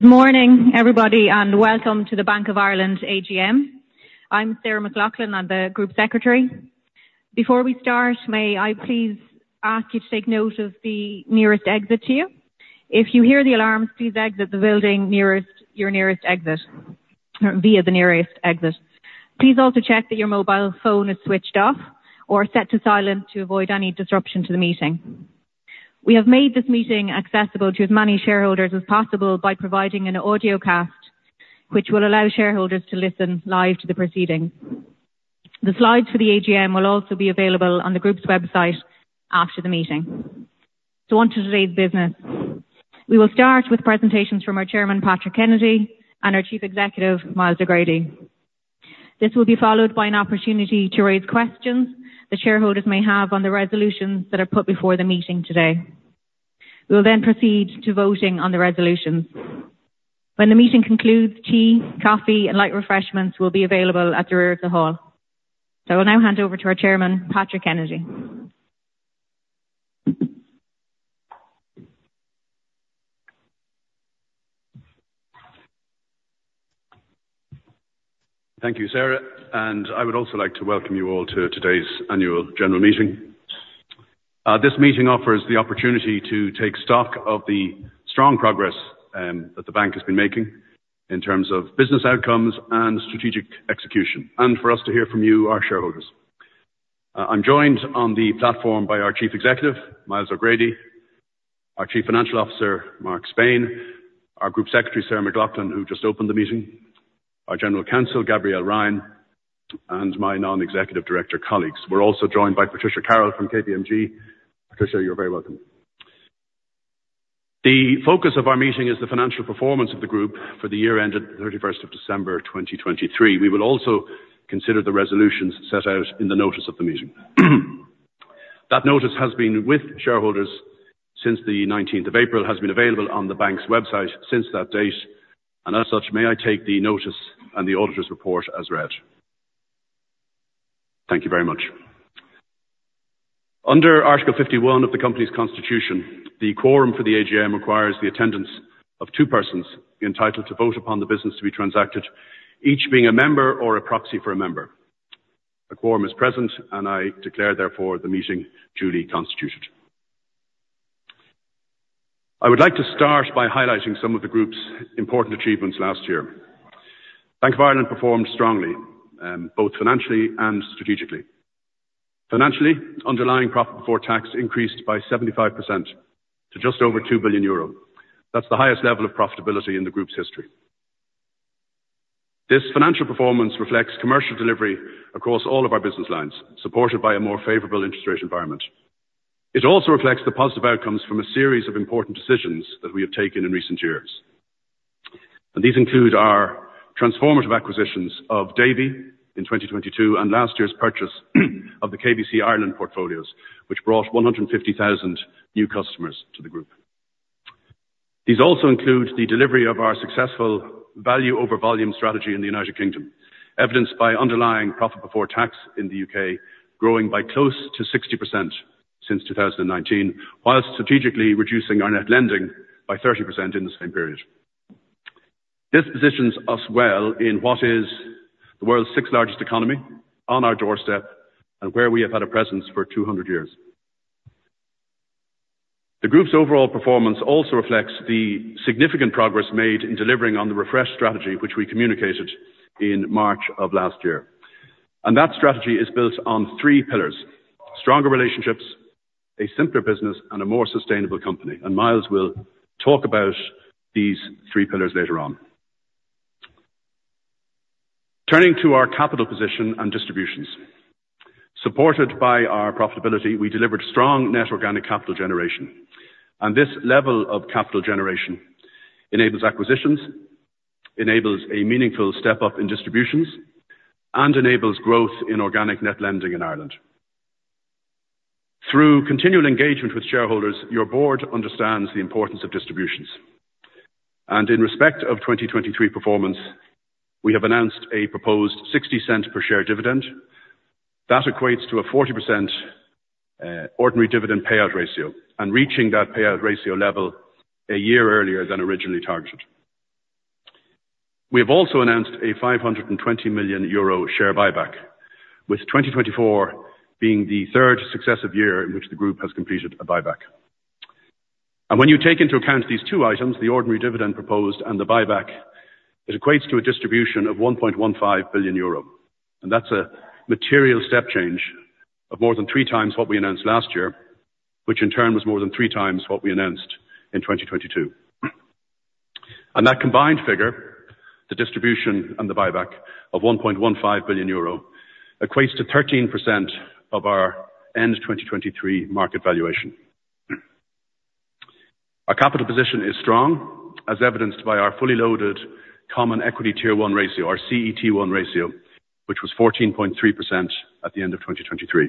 Good morning, everybody, and welcome to the Bank of Ireland AGM. I'm Sarah McLaughlin, I'm the group secretary. Before we start, may I please ask you to take note of the nearest exit to you. If you hear the alarms, please exit the building nearest your nearest exit, or via the nearest exit. Please also check that your mobile phone is switched off or set to silent, to avoid any disruption to the meeting. We have made this meeting accessible to as many shareholders as possible by providing an audio cast, which will allow shareholders to listen live to the proceedings. The slides for the AGM will also be available on the group's website after the meeting. So on to today's business. We will start with presentations from our Chairman, Patrick Kennedy, and our Chief Executive, Myles O'Grady. This will be followed by an opportunity to raise questions that shareholders may have on the resolutions that are put before the meeting today. We will then proceed to voting on the resolutions. When the meeting concludes, tea, coffee, and light refreshments will be available at the rear of the hall. So I will now hand over to our chairman, Patrick Kennedy. Thank you, Sarah, and I would also like to welcome you all to today's Annual General Meeting. This meeting offers the opportunity to take stock of the strong progress that the bank has been making in terms of business outcomes and strategic execution, and for us to hear from you, our shareholders. I'm joined on the platform by our Chief Executive, Myles O'Grady, our Chief Financial Officer, Mark Spain, our Group Secretary, Sarah McLaughlin, who just opened the meeting, our General Counsel, Gabrielle Ryan, and my non-executive director colleagues. We're also joined by Patricia Carroll from KPMG. Patricia, you're very welcome. The focus of our meeting is the financial performance of the group for the year ended 31st of December, 2023. We will also consider the resolutions set out in the notice of the meeting. That notice has been with shareholders since the nineteenth of April, has been available on the bank's website since that date, and as such, may I take the notice and the auditor's report as read. Thank you very much. Under Article 51 of the company's constitution, the quorum for the AGM requires the attendance of two persons entitled to vote upon the business to be transacted, each being a member or a proxy for a member. A quorum is present, and I declare, therefore, the meeting duly constituted. I would like to start by highlighting some of the group's important achievements last year. Bank of Ireland performed strongly, both financially and strategically. Financially, underlying profit before tax increased by 75% to just over 2 billion euro. That's the highest level of profitability in the group's history. This financial performance reflects commercial delivery across all of our business lines, supported by a more favorable interest rate environment. It also reflects the positive outcomes from a series of important decisions that we have taken in recent years, and these include our transformative acquisitions of Davy in 2022, and last year's purchase of the KBC Ireland portfolios, which brought 150,000 new customers to the group. These also include the delivery of our successful value over volume strategy in the United Kingdom, evidenced by underlying profit before tax in the U.K., growing by close to 60% since 2019, whilst strategically reducing our net lending by 30% in the same period. This positions us well in what is the world's sixth largest economy, on our doorstep, and where we have had a presence for 200 years. The group's overall performance also reflects the significant progress made in delivering on the refreshed strategy, which we communicated in March of last year, and that strategy is built on three pillars: stronger relationships, a simpler business, and a more sustainable company, and Myles will talk about these three pillars later on. Turning to our capital position and distributions. Supported by our profitability, we delivered strong net organic capital generation, and this level of capital generation enables acquisitions, enables a meaningful step up in distributions, and enables growth in organic net lending in Ireland. Through continual engagement with shareholders, your board understands the importance of distributions, and in respect of 2023 performance, we have announced a proposed 0.60 per share dividend. That equates to a 40% ordinary dividend payout ratio and reaching that payout ratio level a year earlier than originally targeted. We have also announced a 520 million euro share buyback, with 2024 being the third successive year in which the group has completed a buyback. When you take into account these two items, the ordinary dividend proposed and the buyback, it equates to a distribution of 1.15 billion euro, and that's a material step change of more than three times what we announced last year, which in turn, was more than three times what we announced in 2022. That combined figure, the distribution and the buyback, of 1.15 billion euro, equates to 13% of our end-2023 market valuation. Our capital position is strong, as evidenced by our fully loaded Common Equity Tier 1 ratio, our CET1 ratio, which was 14.3% at the end of 2023.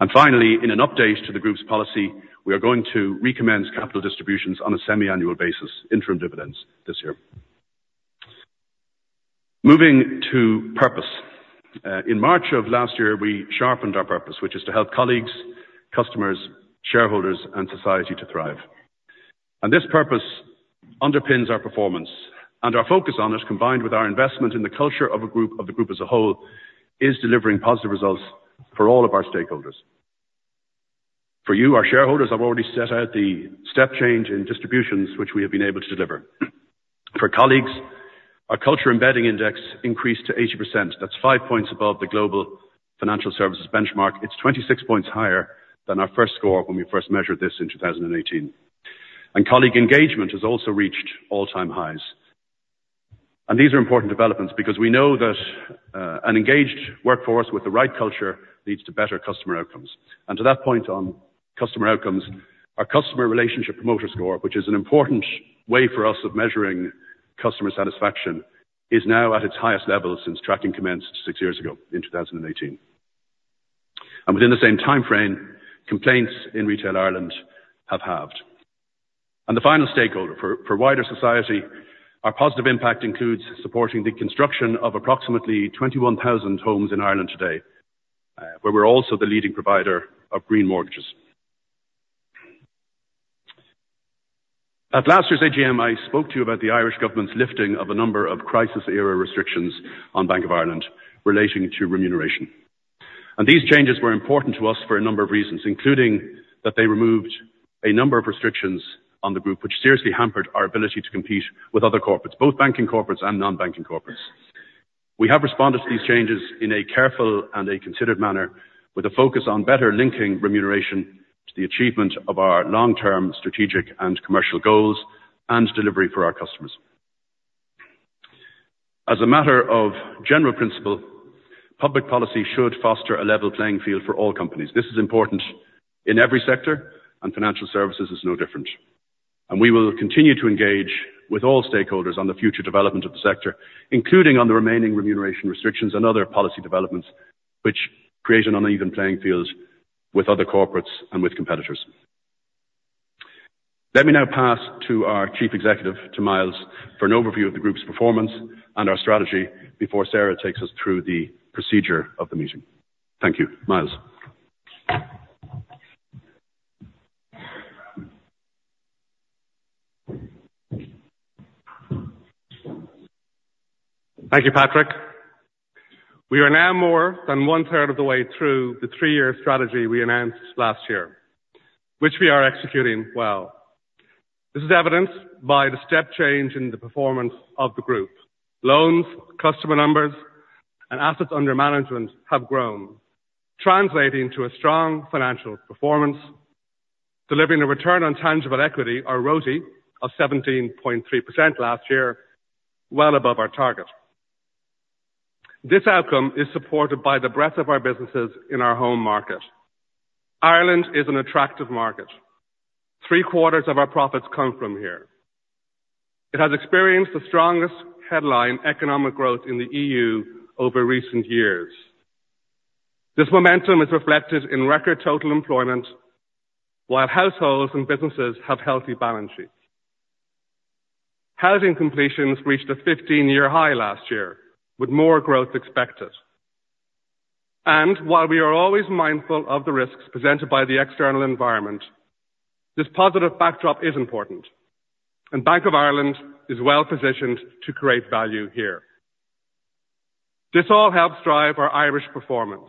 And finally, in an update to the group's policy, we are going to recommend capital distributions on a semi-annual basis, interim dividends, this year. Moving to purpose. In March of last year, we sharpened our purpose, which is to help colleagues, customers, shareholders, and society to thrive. And this purpose underpins our performance, and our focus on it, combined with our investment in the culture of a group, of the group as a whole, is delivering positive results for all of our stakeholders. For you, our shareholders, have already set out the step change in distributions, which we have been able to deliver. For colleagues, our culture embedding index increased to 80%. That's 5 points above the global financial services benchmark. It's 26 points higher than our first score when we first measured this in 2018. And colleague engagement has also reached all-time highs. These are important developments because we know that an engaged workforce with the right culture leads to better customer outcomes. And to that point on customer outcomes, our customer relationship promoter score, which is an important way for us of measuring customer satisfaction, is now at its highest level since tracking commenced six years ago in 2018. And within the same timeframe, complaints in Retail Ireland have halved. And the final stakeholder, for wider society, our positive impact includes supporting the construction of approximately 21,000 homes in Ireland today, where we're also the leading provider of green mortgages. At last year's AGM, I spoke to you about the Irish government's lifting of a number of crisis era restrictions on Bank of Ireland relating to remuneration. These changes were important to us for a number of reasons, including that they removed a number of restrictions on the group, which seriously hampered our ability to compete with other corporates, both banking corporates and non-banking corporates. We have responded to these changes in a careful and a considered manner, with a focus on better linking remuneration to the achievement of our long-term strategic and commercial goals and delivery for our customers. As a matter of general principle, public policy should foster a level playing field for all companies. This is important in every sector, and financial services is no different. We will continue to engage with all stakeholders on the future development of the sector, including on the remaining remuneration restrictions and other policy developments, which create an uneven playing field with other corporates and with competitors. Let me now pass to our Chief Executive, to Myles, for an overview of the group's performance and our strategy before Sarah takes us through the procedure of the meeting. Thank you. Myles? Thank you, Patrick. We are now more than one-third of the way through the three-year strategy we announced last year, which we are executing well. This is evidenced by the step change in the performance of the group. Loans, customer numbers, and assets under management have grown, translating to a strong financial performance, delivering a return on tangible equity, or ROTE, of 17.3% last year, well above our target. This outcome is supported by the breadth of our businesses in our home market. Ireland is an attractive market. Three-quarters of our profits come from here. It has experienced the strongest headline economic growth in the EU over recent years. This momentum is reflected in record total employment, while households and businesses have healthy balance sheets. Housing completions reached a 15-year high last year, with more growth expected. While we are always mindful of the risks presented by the external environment, this positive backdrop is important, and Bank of Ireland is well positioned to create value here. This all helps drive our Irish performance.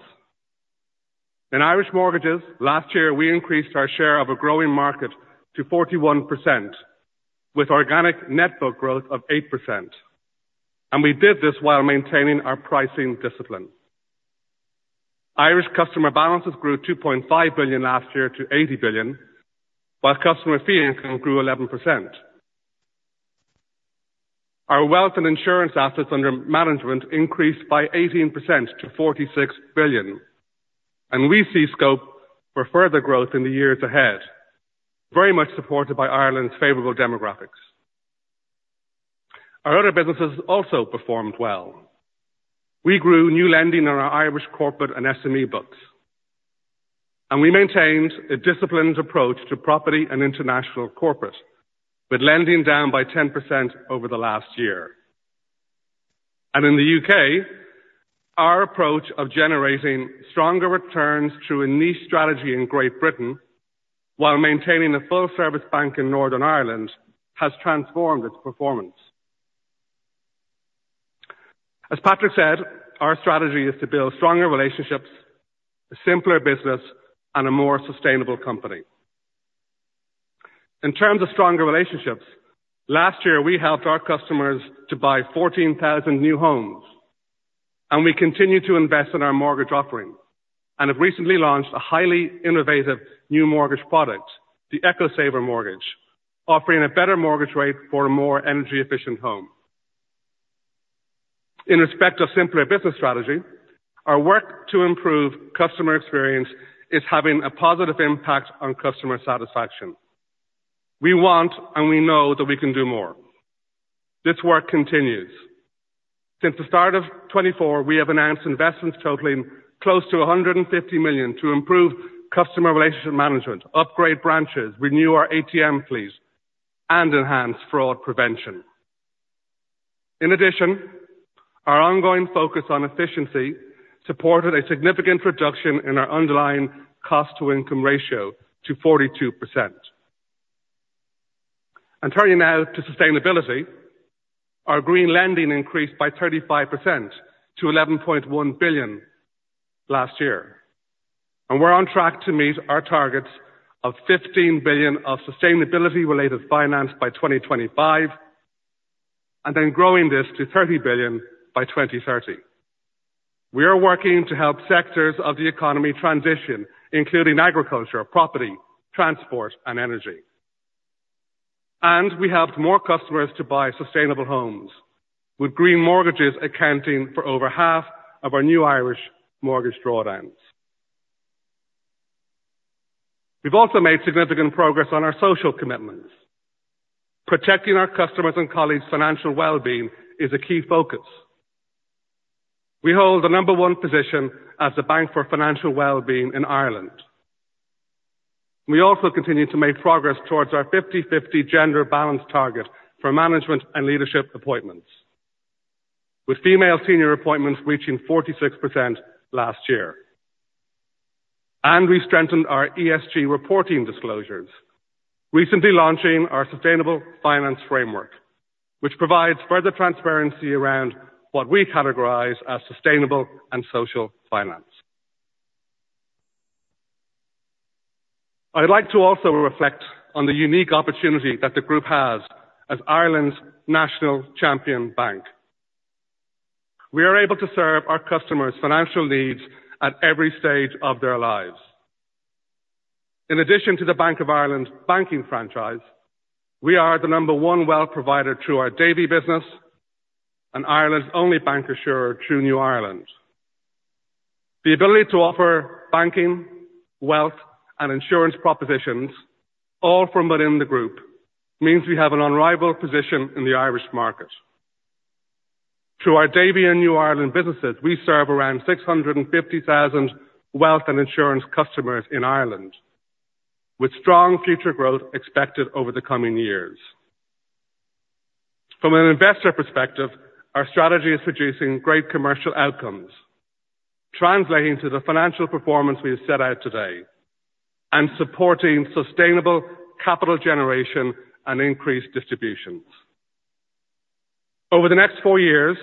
In Irish mortgages, last year, we increased our share of a growing market to 41%, with organic net book growth of 8%, and we did this while maintaining our pricing discipline. Irish customer balances grew 2.5 billion last year to 80 billion, while customer fee income grew 11%. Our wealth and insurance assets under management increased by 18% to 46 billion, and we see scope for further growth in the years ahead, very much supported by Ireland's favorable demographics. Our other businesses also performed well. We grew new lending on our Irish corporate and SME books, and we maintained a disciplined approach to property and international corporate, with lending down by 10% over the last year. In the U.K., our approach of generating stronger returns through a niche strategy in Great Britain, while maintaining a full-service bank in Northern Ireland, has transformed its performance. As Patrick said, our strategy is to build stronger relationships, a simpler business, and a more sustainable company. In terms of stronger relationships, last year, we helped our customers to buy 14,000 new homes, and we continue to invest in our mortgage offerings and have recently launched a highly innovative new mortgage product, the EcoSaver Mortgage, offering a better mortgage rate for a more energy-efficient home. In respect to simpler business strategy, our work to improve customer experience is having a positive impact on customer satisfaction. We want, and we know that we can do more. This work continues. Since the start of 2024, we have announced investments totaling close to 150 million to improve customer relationship management, upgrade branches, renew our ATM fleet... and enhance fraud prevention. In addition, our ongoing focus on efficiency supported a significant reduction in our underlying cost-to-income ratio to 42%. Turning now to sustainability, our green lending increased by 35% to 11.1 billion last year, and we're on track to meet our targets of 15 billion of sustainability-related finance by 2025, and then growing this to 30 billion by 2030. We are working to help sectors of the economy transition, including agriculture, property, transport, and energy. We helped more customers to buy sustainable homes, with green mortgages accounting for over half of our new Irish mortgage drawdowns. We've also made significant progress on our social commitments. Protecting our customers' and colleagues' financial well-being is a key focus. We hold the number one position as the Bank for Financial Well-Being in Ireland. We also continue to make progress towards our 50/50 gender balance target for management and leadership appointments, with female senior appointments reaching 46% last year. We strengthened our ESG reporting disclosures, recently launching our sustainable finance framework, which provides further transparency around what we categorize as sustainable and social finance. I'd like to also reflect on the unique opportunity that the group has as Ireland's national champion bank. We are able to serve our customers' financial needs at every stage of their lives. In addition to the Bank of Ireland's banking franchise, we are the number one wealth provider through our Davy business and Ireland's only bank insurer through New Ireland. The ability to offer banking, wealth, and insurance propositions, all from within the group, means we have an unrivaled position in the Irish market. Through our Davy and New Ireland businesses, we serve around 650,000 wealth and insurance customers in Ireland, with strong future growth expected over the coming years. From an investor perspective, our strategy is producing great commercial outcomes, translating to the financial performance we have set out today and supporting sustainable capital generation and increased distributions. Over the next four years,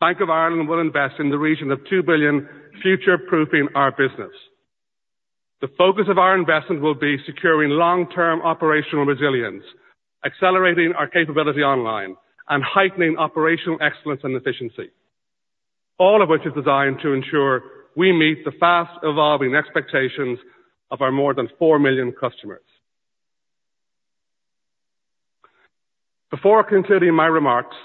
Bank of Ireland will invest in the region of 2 billion, future-proofing our business. The focus of our investment will be securing long-term operational resilience, accelerating our capability online, and heightening operational excellence and efficiency, all of which is designed to ensure we meet the fast-evolving expectations of our more than 4 million customers. Before concluding my remarks,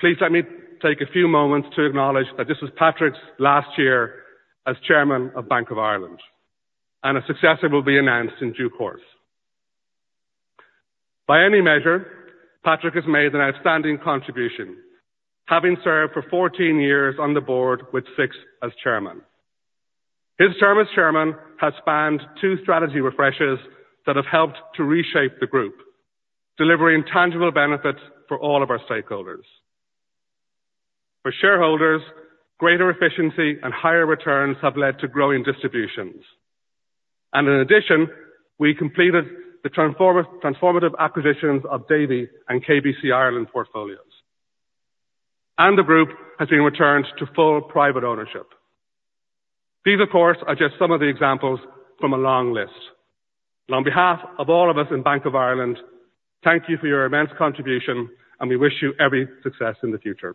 please let me take a few moments to acknowledge that this was Patrick's last year as chairman of Bank of Ireland, and a successor will be announced in due course. By any measure, Patrick has made an outstanding contribution, having served for 14 years on the board, with six as chairman. His term as chairman has spanned 2 strategy refreshes that have helped to reshape the group, delivering tangible benefits for all of our stakeholders. For shareholders, greater efficiency and higher returns have led to growing distributions, and in addition, we completed the transformative acquisitions of Davy and KBC Ireland portfolios, and the group has been returned to full private ownership. These, of course, are just some of the examples from a long list. On behalf of all of us in Bank of Ireland, thank you for your immense contribution, and we wish you every success in the future.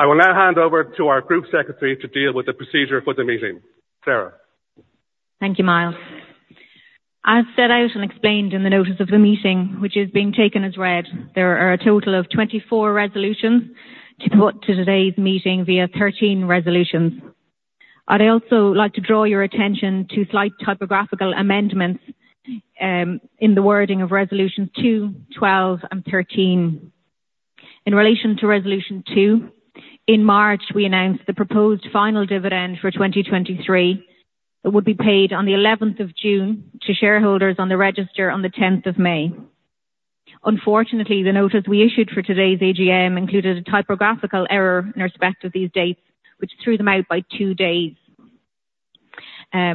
I will now hand over to our Group Secretary to deal with the procedure for the meeting. Sarah? Thank you, Myles. As set out and explained in the notice of the meeting, which is being taken as read, there are a total of 24 resolutions to put to today's meeting via 13 resolutions. I'd also like to draw your attention to slight typographical amendments in the wording of resolutions 2, 12, and 13. In relation to resolution 2, in March, we announced the proposed final dividend for 2023. It would be paid on the 11th of June to shareholders on the register on the 10th of May. Unfortunately, the notice we issued for today's AGM included a typographical error in respect of these dates, which threw them out by two days.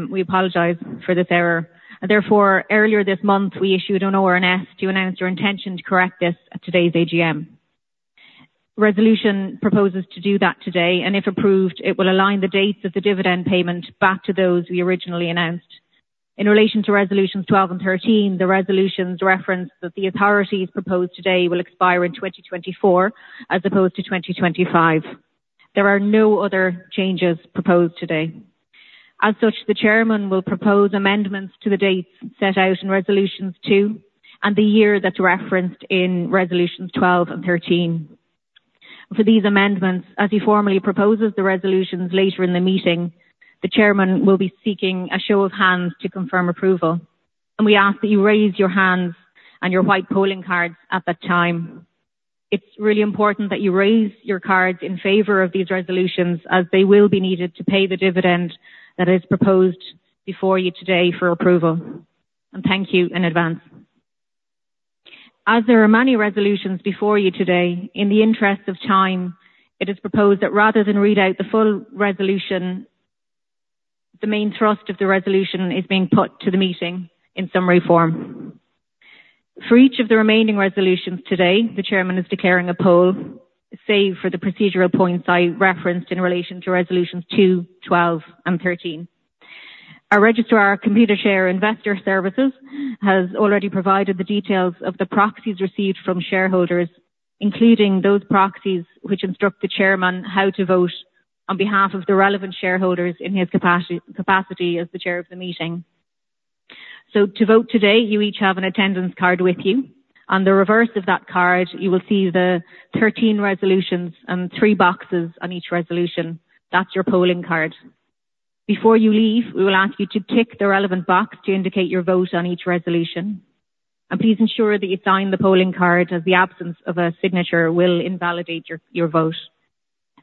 We apologize for this error, and therefore, earlier this month, we issued an ORNS to announce our intention to correct this at today's AGM. Resolution proposes to do that today, and if approved, it will align the dates of the dividend payment back to those we originally announced. In relation to resolutions 12 and 13, the resolutions referenced that the authorities proposed today will expire in 2024, as opposed to 2025. There are no other changes proposed today. As such, the Chairman will propose amendments to the dates set out in resolution two, and the year that's referenced in resolutions 12 and 13. For these amendments, as he formally proposes the resolutions later in the meeting, the Chairman will be seeking a show of hands to confirm approval. And we ask that you raise your hands and your white polling cards at that time. It's really important that you raise your cards in favor of these resolutions, as they will be needed to pay the dividend that is proposed before you today for approval, and thank you in advance. As there are many resolutions before you today, in the interest of time, it is proposed that rather than read out the full resolution, the main thrust of the resolution is being put to the meeting in summary form. For each of the remaining resolutions today, the chairman is declaring a poll, save for the procedural points I referenced in relation to resolutions 2, 12, and 13. Our registrar, Computershare Investor Services, has already provided the details of the proxies received from shareholders, including those proxies which instruct the chairman how to vote on behalf of the relevant shareholders in his capacity as the chair of the meeting. So to vote today, you each have an attendance card with you. On the reverse of that card, you will see the 13 resolutions and three boxes on each resolution. That's your polling card. Before you leave, we will ask you to tick the relevant box to indicate your vote on each resolution, and please ensure that you sign the polling card, as the absence of a signature will invalidate your, your vote.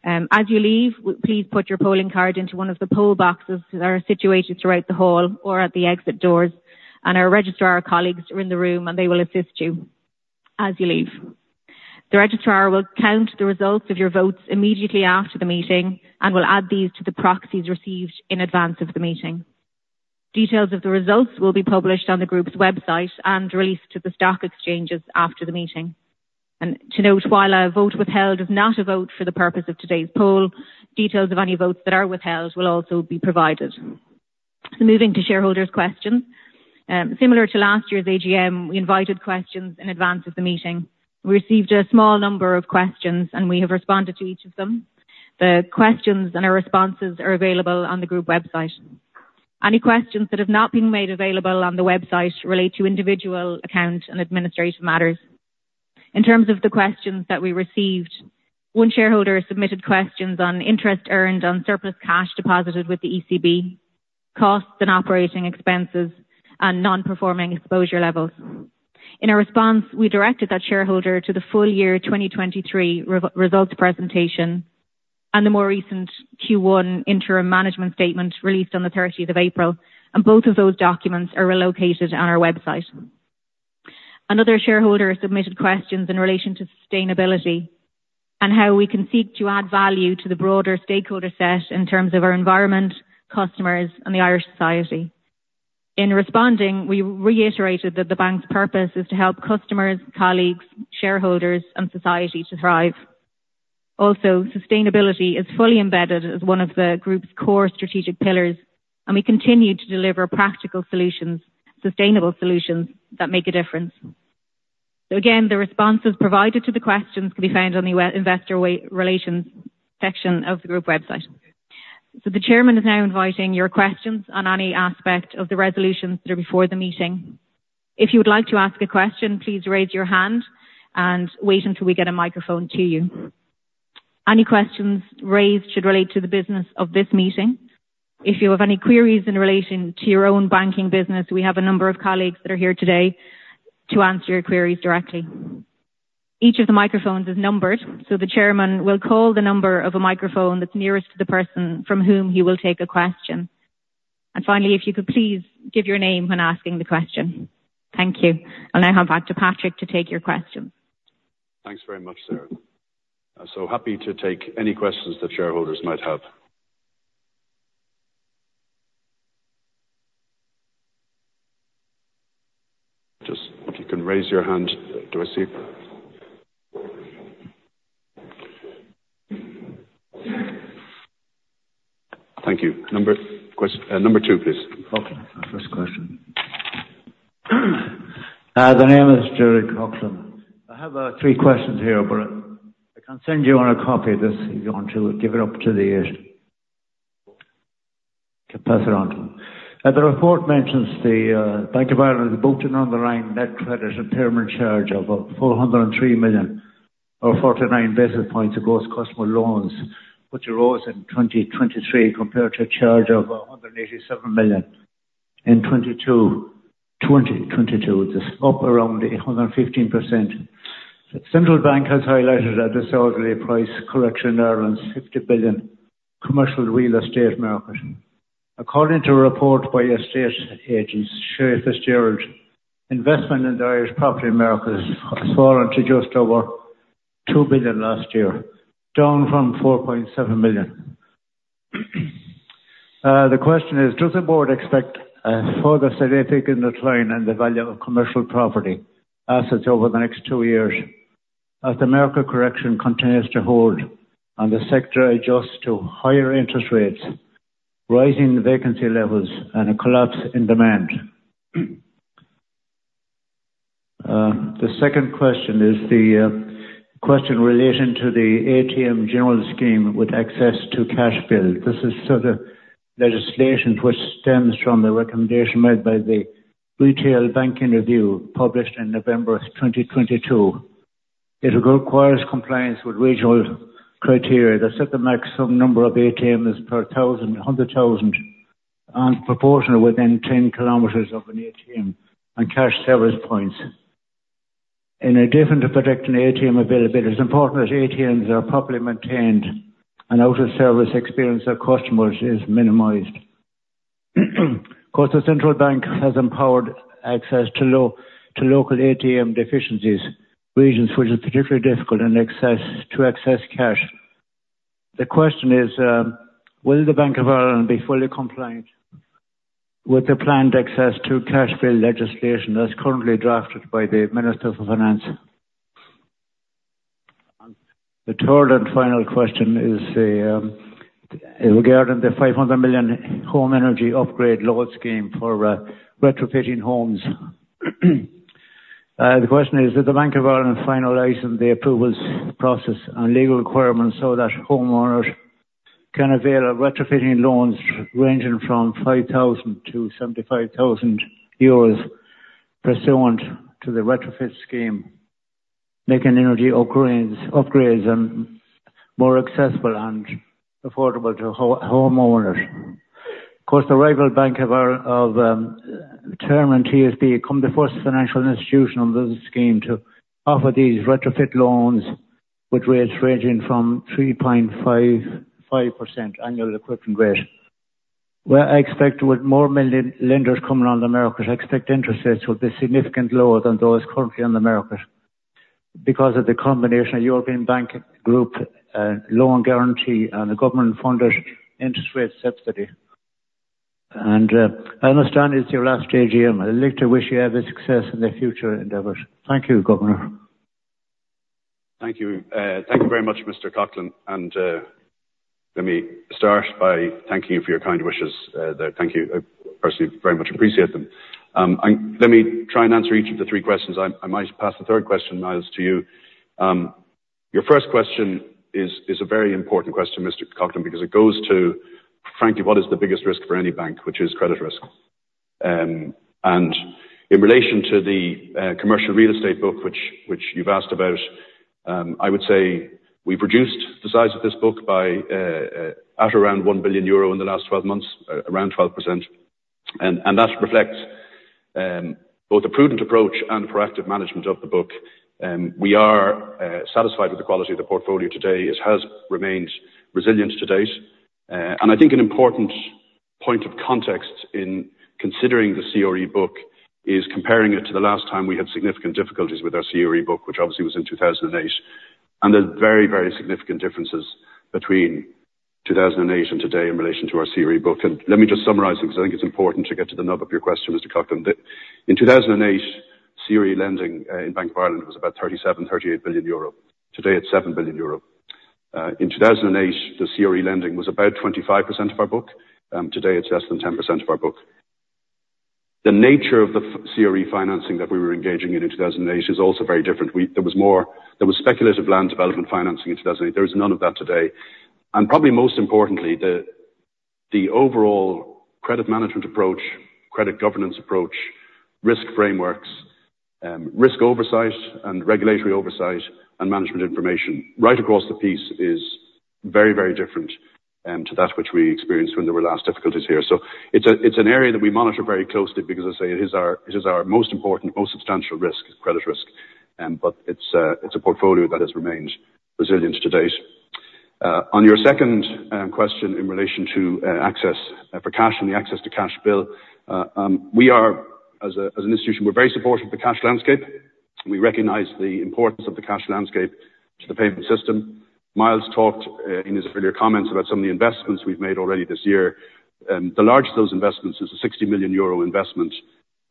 As you leave, please put your polling card into one of the poll boxes that are situated throughout the hall or at the exit doors, and our registrar colleagues are in the room, and they will assist you as you leave. The registrar will count the results of your votes immediately after the meeting and will add these to the proxies received in advance of the meeting. Details of the results will be published on the group's website and released to the stock exchanges after the meeting. To note, while a vote withheld is not a vote for the purpose of today's poll, details of any votes that are withheld will also be provided. Moving to shareholders' questions. Similar to last year's AGM, we invited questions in advance of the meeting. We received a small number of questions, and we have responded to each of them. The questions and our responses are available on the group website. Any questions that have not been made available on the website relate to individual accounts and administrative matters. In terms of the questions that we received, one shareholder submitted questions on interest earned on surplus cash deposited with the ECB, costs and operating expenses, and non-performing exposure levels. In our response, we directed that shareholder to the full year 2023 results presentation and the more recent Q1 interim management statement released on the thirtieth of April, and both of those documents are located on our website. Another shareholder submitted questions in relation to sustainability and how we can seek to add value to the broader stakeholder set in terms of our environment, customers, and the Irish society. In responding, we reiterated that the bank's purpose is to help customers, colleagues, shareholders, and society to thrive. Also, sustainability is fully embedded as one of the group's core strategic pillars, and we continue to deliver practical solutions, sustainable solutions, that make a difference. So again, the responses provided to the questions can be found on the investor relations section of the group website. So the chairman is now inviting your questions on any aspect of the resolutions that are before the meeting. If you would like to ask a question, please raise your hand and wait until we get a microphone to you. Any questions raised should relate to the business of this meeting. If you have any queries in relation to your own banking business, we have a number of colleagues that are here today to answer your queries directly. Each of the microphones is numbered, so the chairman will call the number of a microphone that's nearest to the person from whom he will take a question. And finally, if you could please give your name when asking the question. Thank you. I'll now hand back to Patrick to take your questions. Thanks very much, Sarah. I'm so happy to take any questions that shareholders might have. Just if you can raise your hand. Do I see... Thank you. Number, number two, please. Okay, my first question. The name is Jerry Coughlan. I have three questions here, but I can send you on a copy of this if you want to give it up to the to pass it on. The report mentions the Bank of Ireland booking on the line net credit impairment charge of 403 million or 49 basis points across customer loans, which arose in 2023 compared to a charge of 187 million in 2022. This is up around 115%. The central bank has highlighted a disorderly price correction in Ireland's 50 billion commercial real estate market. According to a report by estate agents, Sherry FitzGerald, investment in the Irish property market has fallen to just over 2 billion last year, down from 4.7 billion. The question is: Does the board expect a further significant decline in the value of commercial property assets over the next two years as the market correction continues to hold and the sector adjusts to higher interest rates, rising vacancy levels, and a collapse in demand? The second question is the question in relation to the ATM general scheme with Access to Cash Bill. This is sort of legislation which stems from the recommendation made by the Retail Banking Review, published in November 2022. It requires compliance with regional criteria that set the maximum number of ATMs per thousand, hundred thousand, and proportional within 10 kilometers of an ATM and cash service points. In addition to protecting ATM availability, it is important that ATMs are properly maintained and out of service experience of customers is minimized. Of course, the central bank has empowered access to local ATM deficiencies, regions which is particularly difficult in access to access cash. The question is, will the Bank of Ireland be fully compliant with the planned Access to Cash Bill legislation that's currently drafted by the Minister of Finance? The third and final question is regarding the 500 million home energy upgrade loan scheme for retrofitting homes. The question is, did the Bank of Ireland finalize the approvals process and legal requirements so that homeowners can avail of retrofitting loans ranging from 5,000 to 75,000 euros pursuant to the retrofit scheme, making energy upgrades more accessible and affordable to homeowners? Of course, the rival Permanent TSB become the first financial institution on this scheme to offer these retrofit loans with rates ranging from 3.5-5% annual equivalent rate. Well, I expect with more mainstream lenders coming on the market, I expect interest rates will be significantly lower than those currently on the market, because of the combination of European Investment Bank Group loan guarantee and the government-funded interest rate subsidy. I understand it's your last AGM. I'd like to wish you every success in your future endeavors. Thank you, Governor. Thank you. Thank you very much, Mr. Coughlan, and let me start by thanking you for your kind wishes, thank you. I personally very much appreciate them. And let me try and answer each of the three questions. I might pass the third question, Myles, to you. Your first question is a very important question, Mr. Coughlan, because it goes to, frankly, what is the biggest risk for any bank, which is credit risk. And in relation to the commercial real estate book, which you've asked about, I would say we've reduced the size of this book by at around 1 billion euro in the last 12 months, around 12%, and that reflects both a prudent approach and proactive management of the book. We are satisfied with the quality of the portfolio today. It has remained resilient to date. And I think an important point of context in considering the CRE book is comparing it to the last time we had significant difficulties with our CRE book, which obviously was in 2008. And there's very, very significant differences between 2008 and today in relation to our CRE book. And let me just summarize it, because I think it's important to get to the nub of your question, Mr. Coughlan. That in 2008, CRE lending in Bank of Ireland was about 37-38 billion euro. Today, it's 7 billion euro. In 2008, the CRE lending was about 25% of our book. Today, it's less than 10% of our book. The nature of the CRE financing that we were engaging in, in 2008 is also very different. We-- There was more, there was speculative land development financing in 2008. There is none of that today, and probably most importantly, the, the overall credit management approach, credit governance approach, risk frameworks, risk oversight and regulatory oversight and management information, right across the piece is very, very different, to that which we experienced when there were last difficulties here. So it's a, it's an area that we monitor very closely because as I say, it is our, it is our most important, most substantial risk, credit risk, but it's, it's a portfolio that has remained resilient to date. On your second question in relation to access to cash and the Access to Cash Bill, we are as a, as an institution, we're very supportive of the cash landscape. We recognize the importance of the cash landscape to the payment system. Myles talked in his earlier comments about some of the investments we've made already this year. The largest of those investments is a 60 million euro investment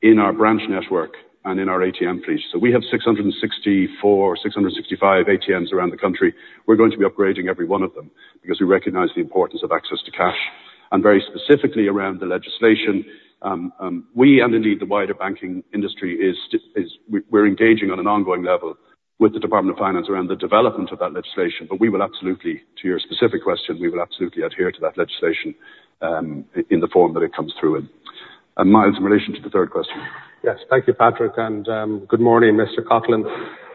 in our branch network and in our ATM fleet. So we have 664, 665 ATMs around the country. We're going to be upgrading every one of them, because we recognize the importance of access to cash, and very specifically around the legislation, we, and indeed, the wider banking industry is, we're engaging on an ongoing level with the Department of Finance around the development of that legislation, but we will absolutely, to your specific question, we will absolutely adhere to that legislation, in the form that it comes through in. And Myles, in relation to the third question? Yes. Thank you, Patrick, and good morning, Mr. Coughlan.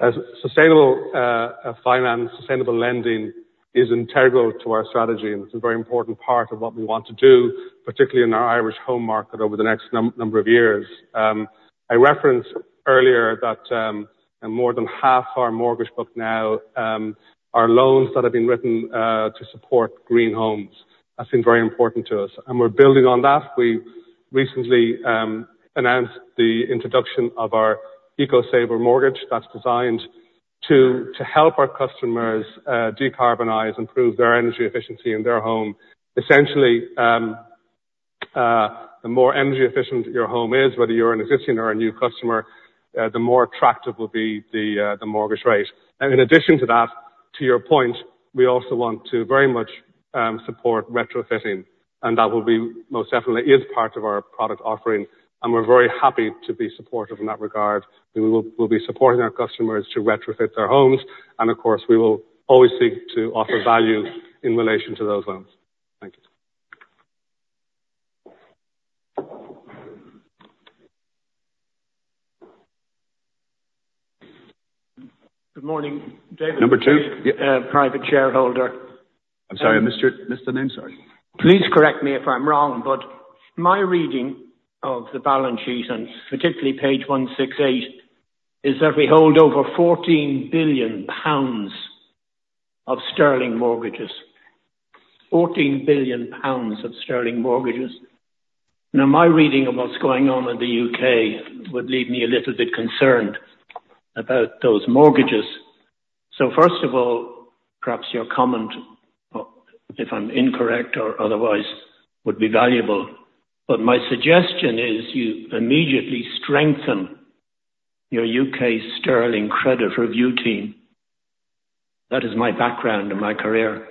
As sustainable finance, sustainable lending is integral to our strategy, and it's a very important part of what we want to do, particularly in our Irish home market over the next number of years. I referenced earlier that more than half our mortgage book now are loans that have been written to support green homes. That's been very important to us, and we're building on that. We recently announced the introduction of our EcoSaver mortgage, that's designed to help our customers decarbonize, improve their energy efficiency in their home. Essentially, the more energy efficient your home is, whether you're an existing or a new customer, the more attractive will be the mortgage rate. In addition to that, to your point, we also want to very much support retrofitting, and that will be, most definitely is part of our product offering, and we're very happy to be supportive in that regard. We'll be supporting our customers to retrofit their homes, and of course, we will always seek to offer value in relation to those loans. Thank you. Good morning, David- Number two?... private shareholder. I'm sorry, I missed your, missed the name, sorry. Please correct me if I'm wrong, but my reading of the balance sheet, and particularly page 168, is that we hold over 14 billion of sterling mortgages. 14 billion of sterling mortgages. Now, my reading of what's going on in the U.K. would leave me a little bit concerned about those mortgages. So first of all, perhaps your comment, if I'm incorrect or otherwise, would be valuable. But my suggestion is you immediately strengthen your U.K. sterling credit review team. That is my background and my career,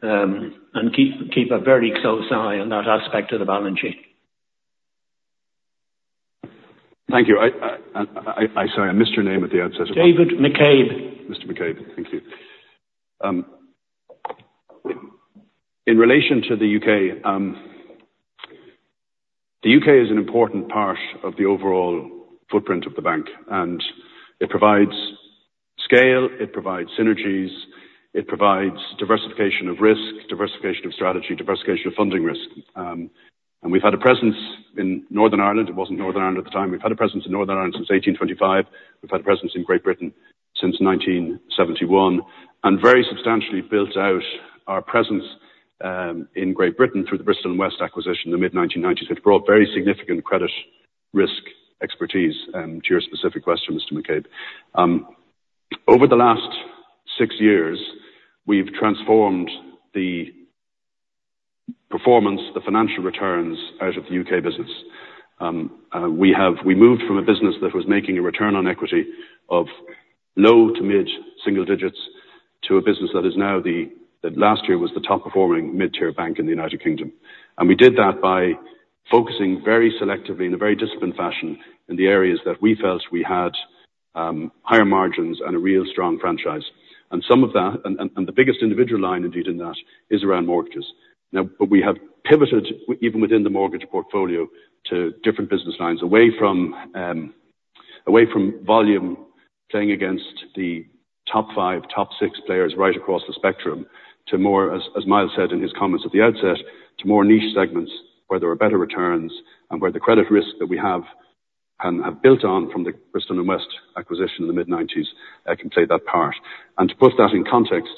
and keep a very close eye on that aspect of the balance sheet. Thank you. Sorry, I missed your name at the outset. David McCabe. Mr. McCabe, thank you. In relation to the U.K., the U.K. is an important part of the overall footprint of the bank, and it provides scale, it provides synergies, it provides diversification of risk, diversification of strategy, diversification of funding risk. We've had a presence in Northern Ireland. It wasn't Northern Ireland at the time. We've had a presence in Northern Ireland since 1825. We've had a presence in Great Britain since 1971, and very substantially built out our presence, in Great Britain through the Bristol & West acquisition in the mid-1990s. It brought very significant credit risk expertise, to your specific question, Mr. McCabe. Over the last six years, we've transformed the performance, the financial returns out of the U.K. business. We moved from a business that was making a return on equity of low- to mid-single digits, to a business that last year was the top performing mid-tier bank in the United Kingdom. And we did that by focusing very selectively, in a very disciplined fashion, in the areas that we felt we had higher margins and a real strong franchise. And some of that, and, and, and the biggest individual line, indeed, in that, is around mortgages. Now, but we have pivoted, even within the mortgage portfolio, to different business lines, away from, away from volume, playing against the top five, top six players right across the spectrum, to more as, as Myles said in his comments at the outset, to more niche segments where there are better returns, and where the credit risk that we have, have built on from the Bristol & West acquisition in the mid-1990s, can play that part. And to put that in context,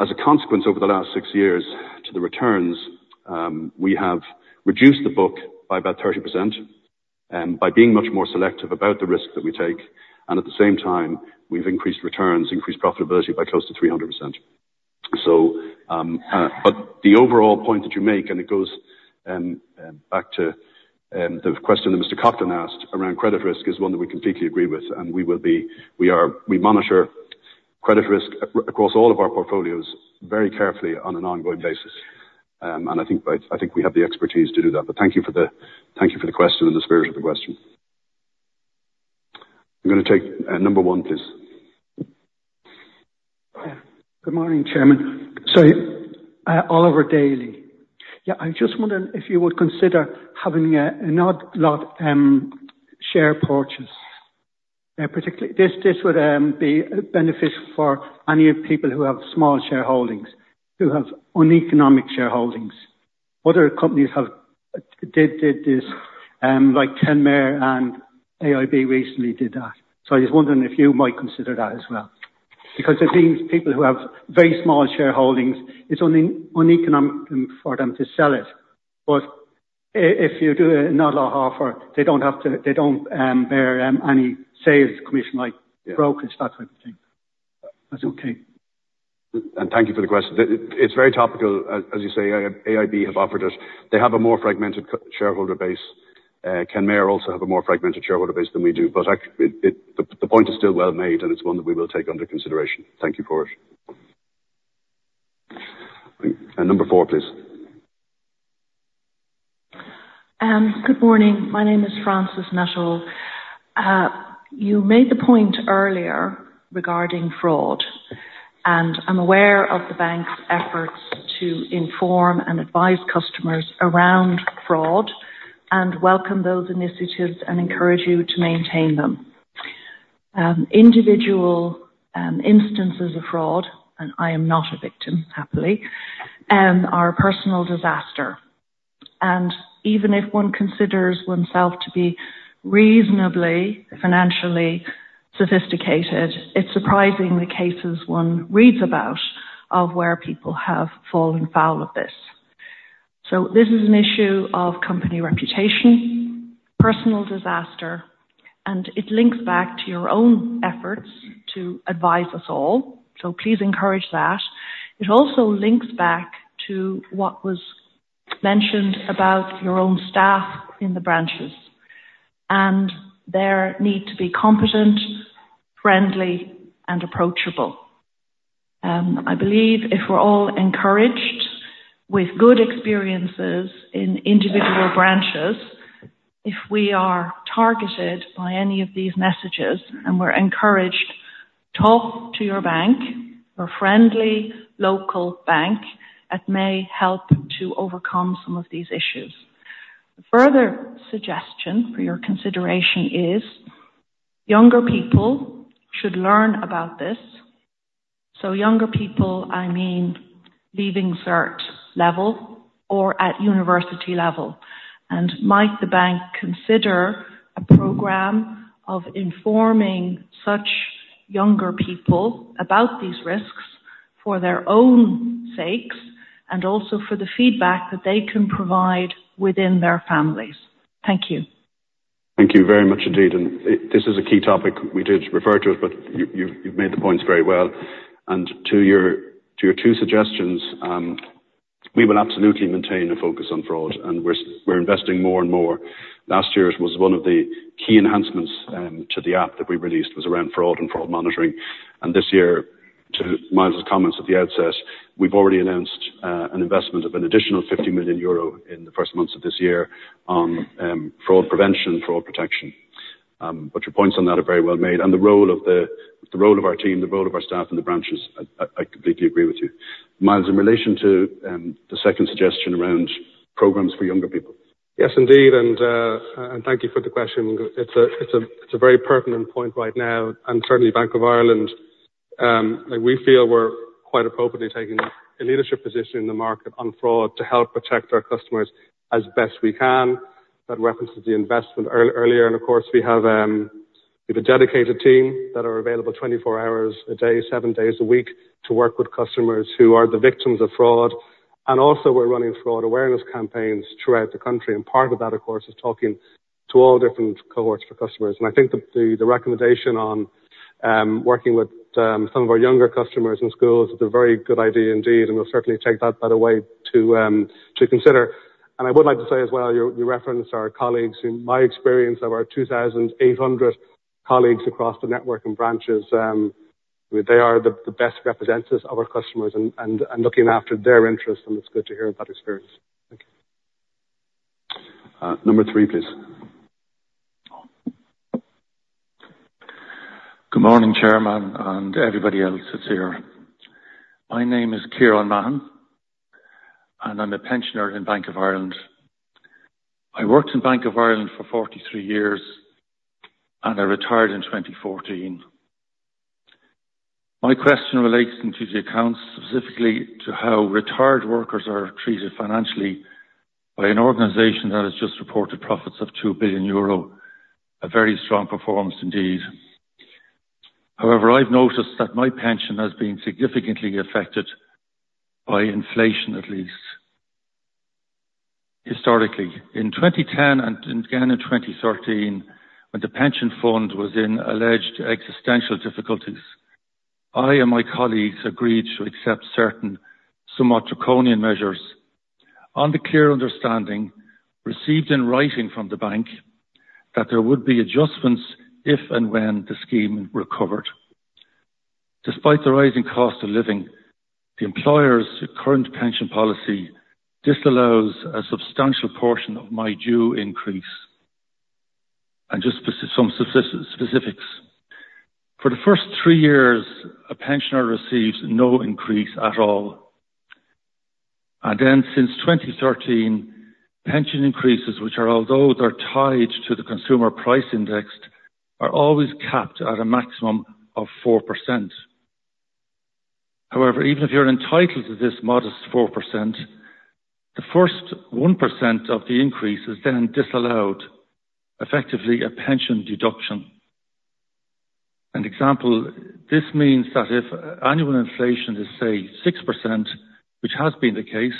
as a consequence, over the last six years to the returns, we have reduced the book by about 30%, by being much more selective about the risk that we take, and at the same time, we've increased returns, increased profitability by close to 300%. But the overall point that you make, and it goes back to the question that Mr. Copton asked around credit risk, is one that we completely agree with, and we are, we monitor credit risk across all of our portfolios very carefully on an ongoing basis. And I think we have the expertise to do that. But thank you for the question and the spirit of the question. I'm gonna take number one, please. Good morning, Chairman. Sorry, Oliver Daley. Yeah, I just wonder if you would consider having an odd lot share purchase? Particularly, this would be beneficial for any people who have small shareholdings, who have uneconomic shareholdings. Other companies did this, like Kenmare and AIB recently did that. So I was wondering if you might consider that as well? Because it seems people who have very small shareholdings, it's only uneconomic for them to sell it. But if you do an odd lot offer, they don't have to, they don't bear any sales commission, like brokerage, that type of thing. That's okay. And thank you for the question. It's very topical, as you say, AIB have offered it. They have a more fragmented shareholder base. Kenmare also have a more fragmented shareholder base than we do, but it, the point is still well made, and it's one that we will take under consideration. Thank you for it. And number four, please. Good morning. My name is Francis Nettle. You made the point earlier regarding fraud, and I'm aware of the bank's efforts to inform and advise customers around fraud, and welcome those initiatives and encourage you to maintain them. Individual instances of fraud, and I am not a victim, happily, are a personal disaster. And even if one considers oneself to be reasonably financially sophisticated, it's surprising the cases one reads about, of where people have fallen foul of this. So this is an issue of company reputation, personal disaster, and it links back to your own efforts to advise us all, so please encourage that. It also links back to what was mentioned about your own staff in the branches, and their need to be competent, friendly, and approachable. I believe if we're all encouraged with good experiences in individual branches, if we are targeted by any of these messages, and we're encouraged. Talk to your bank, your friendly local bank. That may help to overcome some of these issues. Further suggestion for your consideration is younger people should learn about this. So younger people, I mean, Leaving Cert level or at university level, and might the bank consider a program of informing such younger people about these risks for their own sakes, and also for the feedback that they can provide within their families? Thank you. Thank you very much indeed, and it, this is a key topic. We did refer to it, but you, you've, you've made the points very well. And to your, to your two suggestions, we will absolutely maintain a focus on fraud, and we're investing more and more. Last year it was one of the key enhancements to the app that we released, was around fraud and fraud monitoring. And this year, to Myles's comments at the outset, we've already announced an investment of an additional 50 million euro in the first months of this year on fraud prevention, fraud protection. But your points on that are very well made, and the role of the role of our team, the role of our staff in the branches, I, I, I completely agree with you. Myles, in relation to the second suggestion around programs for younger people. Yes, indeed, and thank you for the question. It's a very pertinent point right now, and certainly Bank of Ireland, like, we feel we're quite appropriately taking a leadership position in the market on fraud to help protect our customers as best we can. That references the investment earlier, and of course, we have a dedicated team that are available 24 hours a day, seven days a week, to work with customers who are the victims of fraud. And also, we're running fraud awareness campaigns throughout the country, and part of that, of course, is talking to all different cohorts for customers. And I think the recommendation on working with some of our younger customers in schools is a very good idea indeed, and we'll certainly take that, by the way, to consider. I would like to say as well, you referenced our colleagues. In my experience, there are 2,800 colleagues across the network and branches. They are the best representatives of our customers and looking after their interests, and it's good to hear about experience. Thank you. Number three, please. Good morning, chairman, and everybody else that's here. My name is Kieran Mahon, and I'm a pensioner in Bank of Ireland. I worked in Bank of Ireland for 43 years, and I retired in 2014. My question relates to the accounts, specifically to how retired workers are treated financially by an organization that has just reported profits of 2 billion euro, a very strong performance indeed. However, I've noticed that my pension has been significantly affected by inflation, at least historically. In 2010 and again in 2013, when the pension fund was in alleged existential difficulties, I and my colleagues agreed to accept certain somewhat draconian measures on the clear understanding, received in writing from the bank, that there would be adjustments if and when the scheme recovered. Despite the rising cost of living, the employer's current pension policy disallows a substantial portion of my due increase, and just some specifics. For the first three years, a pensioner receives no increase at all, and then since 2013, pension increases, which are, although they're tied to the Consumer Price Index, are always capped at a maximum of 4%. However, even if you're entitled to this modest 4%, the first 1% of the increase is then disallowed, effectively a pension deduction. An example, this means that if annual inflation is, say, 6%, which has been the case,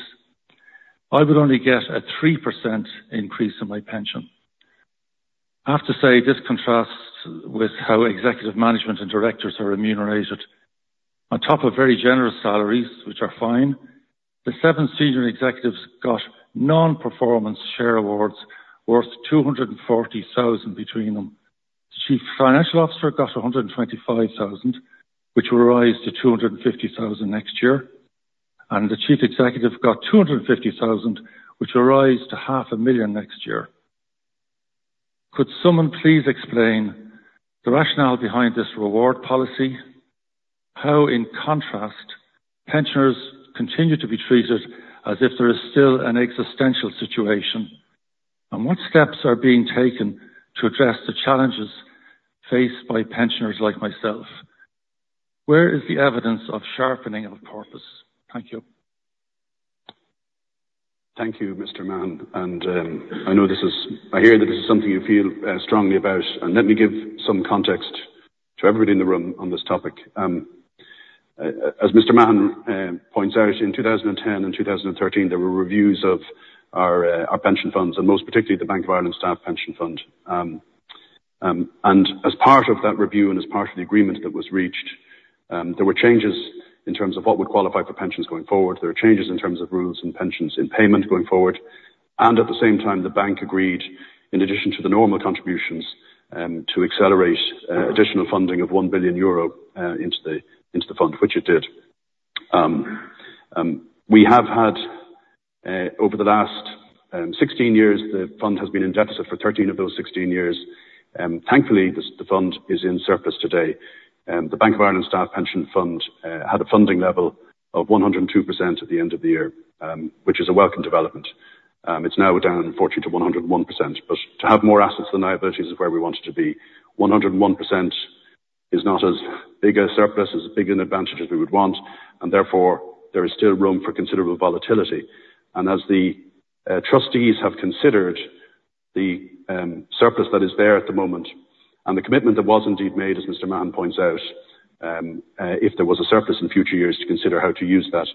I would only get a 3% increase in my pension. I have to say, this contrasts with how executive management and directors are remunerated. On top of very generous salaries, which are fine, the 7 senior executives got non-performance share awards worth 240,000 between them. The Chief Financial Officer got 125,000, which will rise to 250,000 next year, and the Chief Executive got 250,000, which will rise to 500,000 next year. Could someone please explain the rationale behind this reward policy? How, in contrast, pensioners continue to be treated as if there is still an existential situation, and what steps are being taken to address the challenges faced by pensioners like myself? Where is the evidence of sharpening of purpose? Thank you. Thank you, Mr. Mahon, and I know this is something you feel strongly about, and let me give some context to everybody in the room on this topic. As Mr. Mahon points out, in 2010 and 2013, there were reviews of our pension funds, and most particularly the Bank of Ireland staff pension fund. And as part of that review, and as part of the agreement that was reached, there were changes in terms of what would qualify for pensions going forward. There were changes in terms of rules and pensions and payment going forward, and at the same time, the bank agreed, in addition to the normal contributions, to accelerate additional funding of 1 billion euro into the fund, which it did. We have had, over the last 16 years, the fund has been in deficit for 13 of those 16 years. Thankfully, the fund is in surplus today. The Bank of Ireland Staff Pension Fund had a funding level of 102% at the end of the year, which is a welcome development. It's now down, unfortunately, to 101%, but to have more assets than liabilities is where we wanted to be. 101% is not as big a surplus, as big an advantage as we would want, and therefore, there is still room for considerable volatility. And as the trustees have considered the surplus that is there at the moment, and the commitment that was indeed made, as Mr. Mahon points out, if there was a surplus in future years to consider how to use that,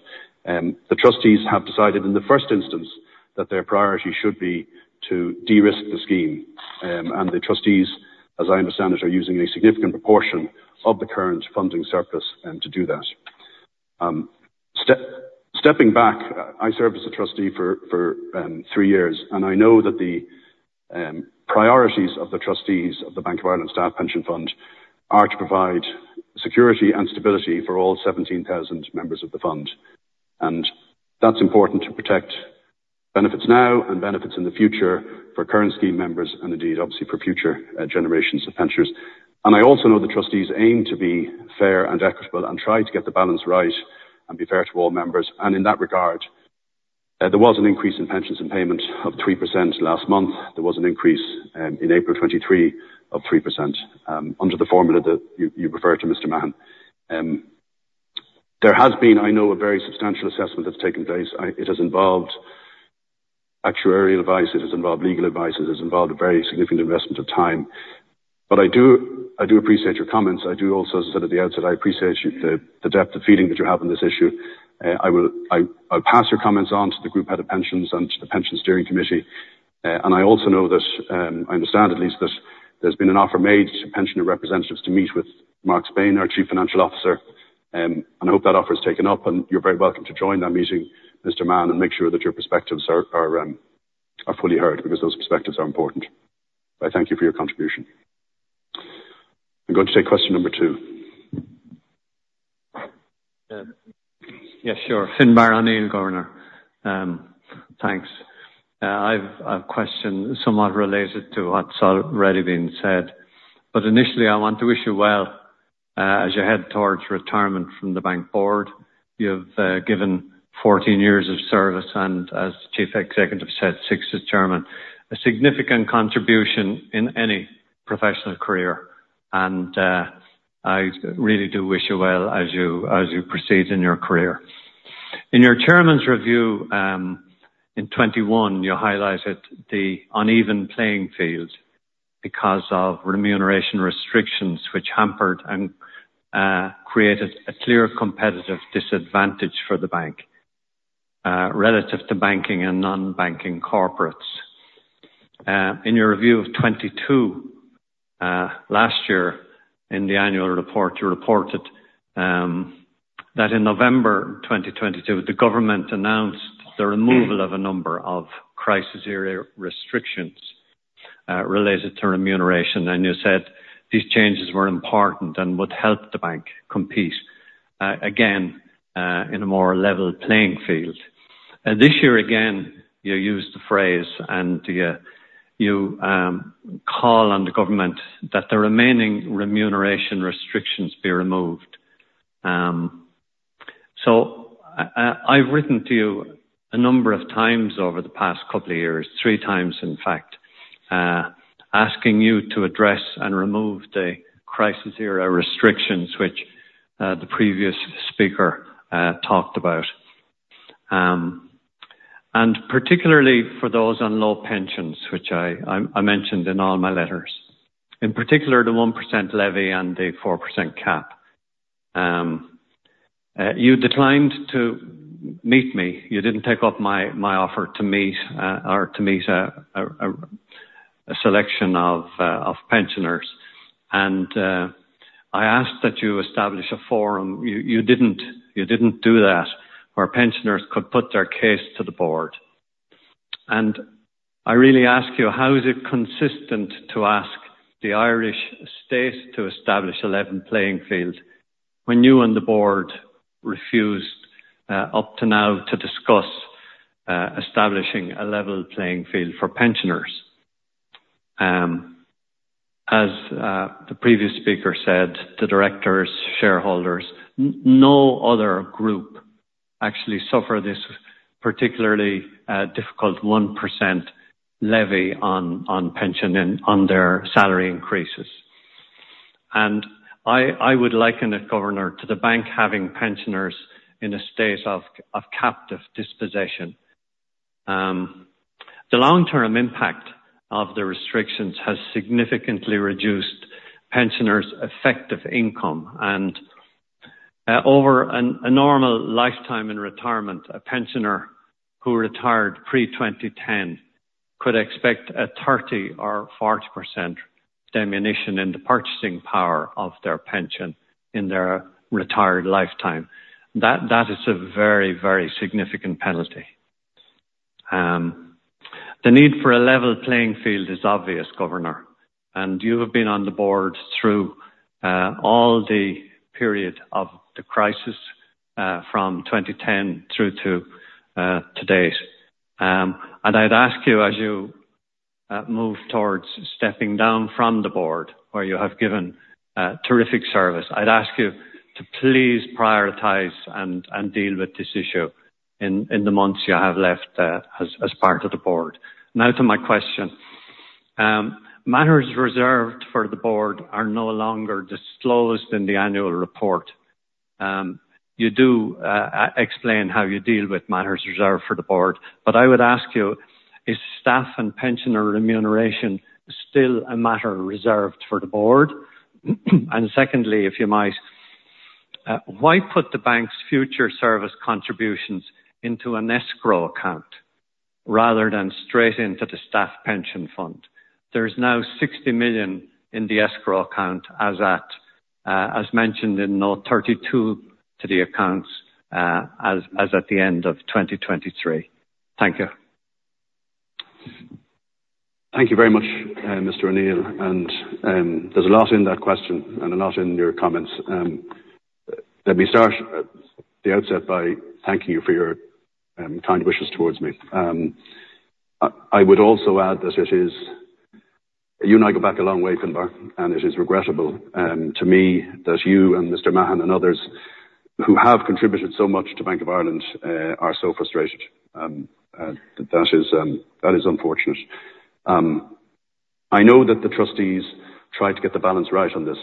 the trustees have decided in the first instance, that their priority should be to de-risk the scheme. And the trustees, as I understand it, are using a significant proportion of the current funding surplus, and to do that. Stepping back, I served as a trustee for three years, and I know that the priorities of the trustees of the Bank of Ireland Staff Pension Fund are to provide security and stability for all 17,000 members of the fund. And that's important to protect benefits now and benefits in the future for current scheme members, and indeed, obviously, for future generations of pensioners. And I also know the trustees aim to be fair and equitable and try to get the balance right and be fair to all members. And in that regard, there was an increase in pensions and payments of 3% last month. There was an increase in April 2023 of 3%, under the formula that you referred to, Mr. Mahon. There has been, I know, a very substantial assessment that's taken place. It has involved actuarial advice, it has involved legal advice, it has involved a very significant investment of time. But I do appreciate your comments. I do also, as I said at the outset, I appreciate the depth of feeling that you have on this issue. I will pass your comments on to the group head of pensions and to the Pension Steering Committee. And I also know that, I understand at least, that there's been an offer made to pensioner representatives to meet with Mark Spain, our Chief Financial Officer, and I hope that offer is taken up, and you're very welcome to join that meeting, Mr. Mahon, and make sure that your perspectives are fully heard, because those perspectives are important. I thank you for your contribution. I'm going to take question number two. Yeah, sure. Finbarr O'Neill, Governor. Thanks. I've a question somewhat related to what's already been said, but initially, I want to wish you well as you head towards retirement from the Bank Board. You've given 14 years of service, and as the chief executive said, 6 as chairman, a significant contribution in any professional career, and I really do wish you well as you proceed in your career. In your chairman's review, in 2021, you highlighted the uneven playing field because of remuneration restrictions, which hampered and created a clear competitive disadvantage for the bank, relative to banking and non-banking corporates. In your review of 2022, last year, in the annual report, you reported that in November 2022, the government announced the removal of a number of crisis-era restrictions related to remuneration, and you said these changes were important and would help the bank compete again in a more level playing field. This year, again, you used the phrase, and you call on the government that the remaining remuneration restrictions be removed. So I’ve written to you a number of times over the past couple of years, three times, in fact, asking you to address and remove the crisis-era restrictions, which the previous speaker talked about. And particularly for those on low pensions, which I mentioned in all my letters, in particular, the 1% levy and the 4% cap. You declined to meet me. You didn't take up my offer to meet or to meet a selection of pensioners, and I asked that you establish a forum. You didn't do that, where pensioners could put their case to the board. And I really ask you, how is it consistent to ask the Irish state to establish a level playing field when you and the board refused up to now to discuss establishing a level playing field for pensioners? As the previous speaker said, the directors, shareholders, no other group actually suffer this particularly difficult 1% levy on pension and on their salary increases. And I would liken it, Governor, to the bank having pensioners in a state of captive disposition. The long-term impact of the restrictions has significantly reduced pensioners' effective income, and over a normal lifetime in retirement, a pensioner who retired pre-2010 could expect a 30% or 40% diminution in the purchasing power of their pension in their retired lifetime. That is a very, very significant penalty. The need for a level playing field is obvious, Governor, and you have been on the board through all the period of the crisis, from 2010 through to date. And I'd ask you, as you move towards stepping down from the board, where you have given terrific service, I'd ask you to please prioritize and deal with this issue in the months you have left, as part of the board. Now to my question. Matters reserved for the board are no longer disclosed in the annual report. You do explain how you deal with matters reserved for the board, but I would ask you, is staff and pensioner remuneration still a matter reserved for the board? And secondly, if you might, why put the bank's future service contributions into an escrow account rather than straight into the staff pension fund? There's now 60 million in the escrow account as at, as mentioned in note 32 to the accounts, as at the end of 2023. Thank you. Thank you very much, Mr. O'Neill, and there's a lot in that question and a lot in your comments. Let me start at the outset by thanking you for your kind wishes towards me. I would also add that it is... You and I go back a long way, Finbarr, and it is regrettable to me that you and Mr. Mahon and others who have contributed so much to Bank of Ireland are so frustrated. That is unfortunate. I know that the trustees tried to get the balance right on this,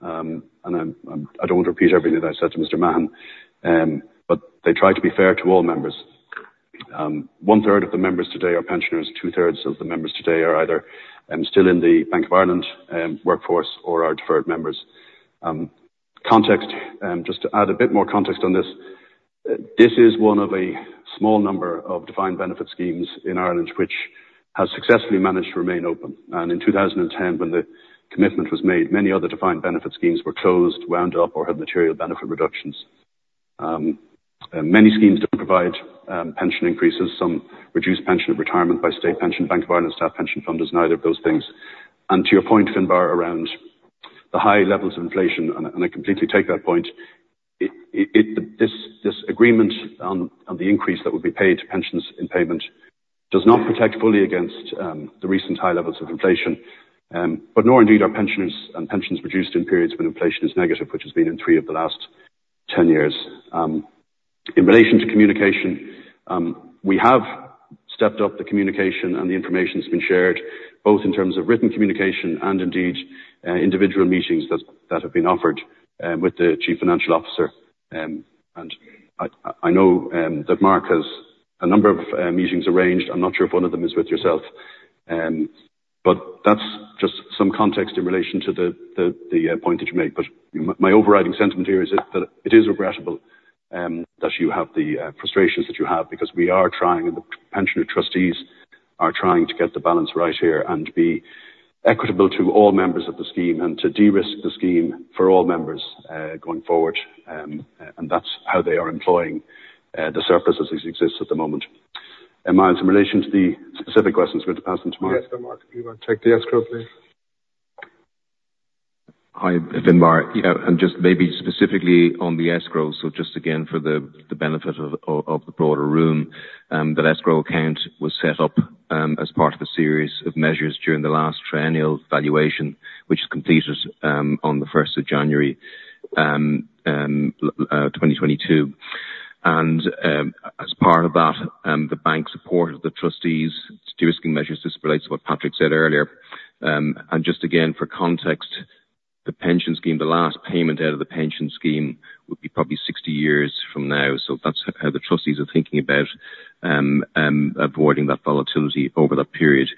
and I don't want to repeat everything I said to Mr. Mahon, but they tried to be fair to all members. One third of the members today are pensioners, two thirds of the members today are either still in the Bank of Ireland workforce or are deferred members. Context, just to add a bit more context on this, this is one of a small number of defined benefit schemes in Ireland, which has successfully managed to remain open, and in 2010, when the commitment was made, many other defined benefit schemes were closed, wound up, or had material benefit reductions. Many schemes don't provide pension increases, some reduced pension and retirement by state pension. Bank of Ireland staff pension fund is neither of those things. And to your point, Finbarr, around the high levels of inflation, and I completely take that point, this agreement on the increase that would be paid to pensions in payment does not protect fully against the recent high levels of inflation, but nor indeed are pensioners and pensions reduced in periods when inflation is negative, which has been in three of the last 10 years. In relation to communication, we have stepped up the communication, and the information's been shared, both in terms of written communication and indeed individual meetings that have been offered with the Chief Financial Officer. And I know that Mark has a number of meetings arranged. I'm not sure if one of them is with yourself. But that's just some context in relation to the point that you made, but my overriding sentiment here is that it is regrettable that you have the frustrations that you have, because we are trying, and the pensioner trustees are trying to get the balance right here and be equitable to all members of the scheme, and to de-risk the scheme for all members going forward. And that's how they are employing the surpluses as they exist at the moment. And in relation to the specific questions, we have to pass them to Mark. Yes, so Mark, you wanna check the escrow, please? Hi, Finbarr. Yeah, and just maybe specifically on the escrow, so just again, for the benefit of the broader room, that escrow account was set up as part of a series of measures during the last triennial valuation, which was completed on the first of January 2022. And as part of that, the bank supported the trustees' de-risking measures. This relates to what Patrick said earlier. And just again, for context, the pension scheme, the last payment out of the pension scheme would be probably 60 years from now, so that's how the trustees are thinking about avoiding that volatility over that period.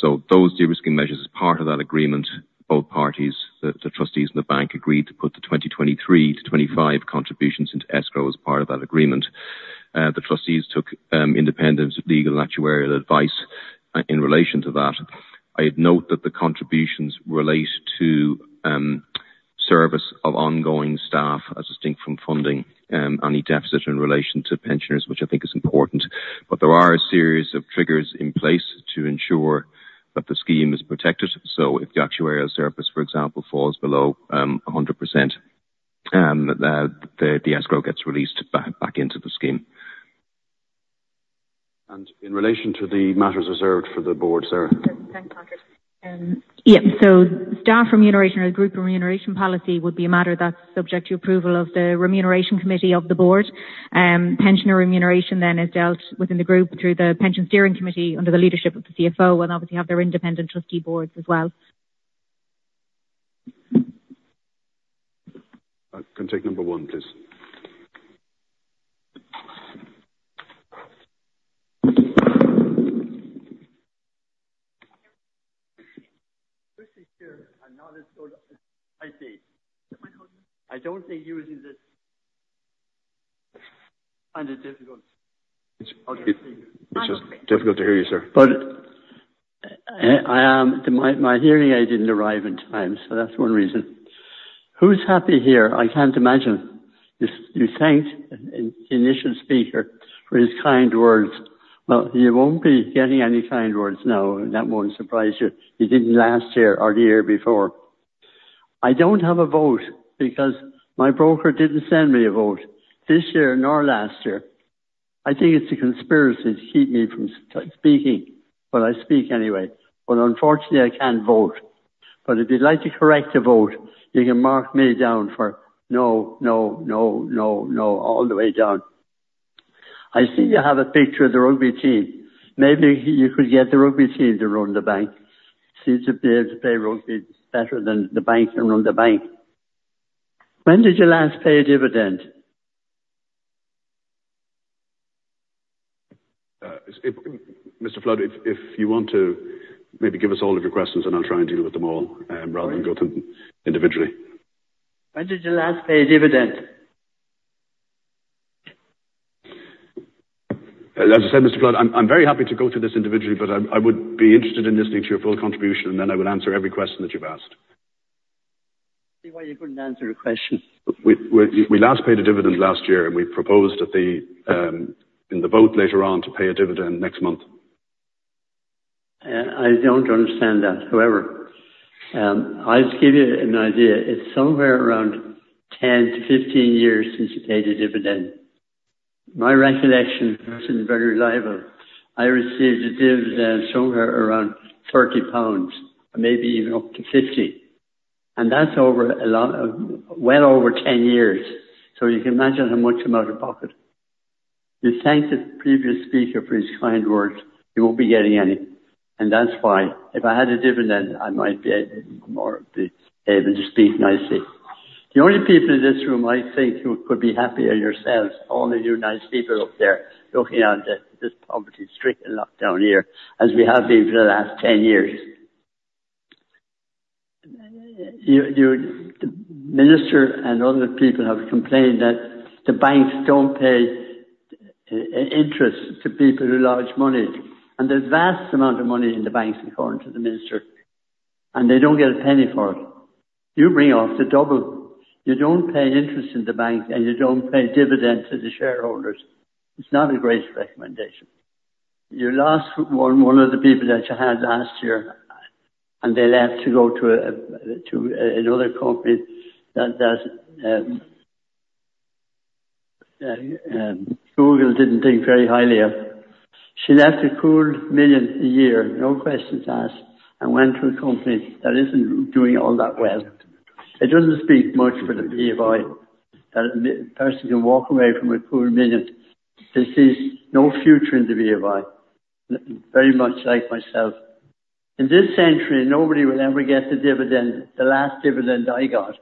So those de-risking measures, as part of that agreement, both parties, the trustees and the bank, agreed to put the 2023-2025 contributions into escrow as part of that agreement. The trustees took independent legal and actuarial advice in relation to that. I'd note that the contributions relate to service of ongoing staff, as distinct from funding any deficit in relation to pensioners, which I think is important. But there are a series of triggers in place to ensure that the scheme is protected, so if the actuarial surplus, for example, falls below 100%, the escrow gets released back into the scheme. In relation to the matters reserved for the board, sir? Thanks, Patrick. Yeah, so staff remuneration or group remuneration policy would be a matter that's subject to approval of the remuneration committee of the board. Pensioner remuneration then is dealt within the group through the Pension Steering Committee, under the leadership of the CFO, and obviously have their independent trustee boards as well. I can take number one, please. I don't think using this... Under difficult- It's just difficult to hear you, sir.... I, my hearing aid didn't arrive in time, so that's one reason. Who's happy here? I can't imagine. You thanked an initial speaker for his kind words. Well, he won't be getting any kind words now, and that won't surprise you. He didn't last year or the year before. I don't have a vote because my broker didn't send me a vote this year, nor last year. I think it's a conspiracy to keep me from speaking, but I speak anyway, but unfortunately, I can't vote. But if you'd like to correct a vote, you can mark me down for no, no, no, no, no, all the way down. I see you have a picture of the rugby team. Maybe you could get the rugby team to run the bank, since they appear to play rugby better than the bank can run the bank. When did you last pay a dividend? If, Mr. Flood, if you want to maybe give us all of your questions, and I'll try and deal with them all, rather than go through them individually. When did you last pay a dividend? As I said, Mr. Flood, I'm very happy to go through this individually, but I would be interested in listening to your full contribution, and then I would answer every question that you've asked. See why you couldn't answer a question. We last paid a dividend last year, and we proposed in the vote later on to pay a dividend next month. I don't understand that. However, I'll just give you an idea. It's somewhere around 10-15 years since you paid a dividend. My recollection, which isn't very reliable, I received a dividend somewhere around 30 pounds, maybe even up to 50, and that's over a long... Well over 10 years, so you can imagine how much come out of pocket. You thanked the previous speaker for his kind words. He won't be getting any, and that's why. If I had a dividend, I might be more able to speak nicely. The only people in this room I think who could be happier are yourselves, all of you nice people up there, looking out at this poverty-stricken lockdown here, as we have been for the last 10 years. You, the minister and other people have complained that the banks don't pay interest to people who lodge money, and there's vast amount of money in the banks, according to the minister, and they don't get a penny for it. You bring off the double. You don't pay interest in the bank, and you don't pay dividend to the shareholders. It's not a great recommendation. You lost one of the people that you had last year, and they left to go to another company that Google didn't think very highly of. She left 1 million a year, no questions asked, and went to a company that isn't doing all that well. It doesn't speak much for the BOI, that a person can walk away from a cool million, and sees no future in the BOI, very much like myself. In this century, nobody will ever get the dividend, the last dividend I got.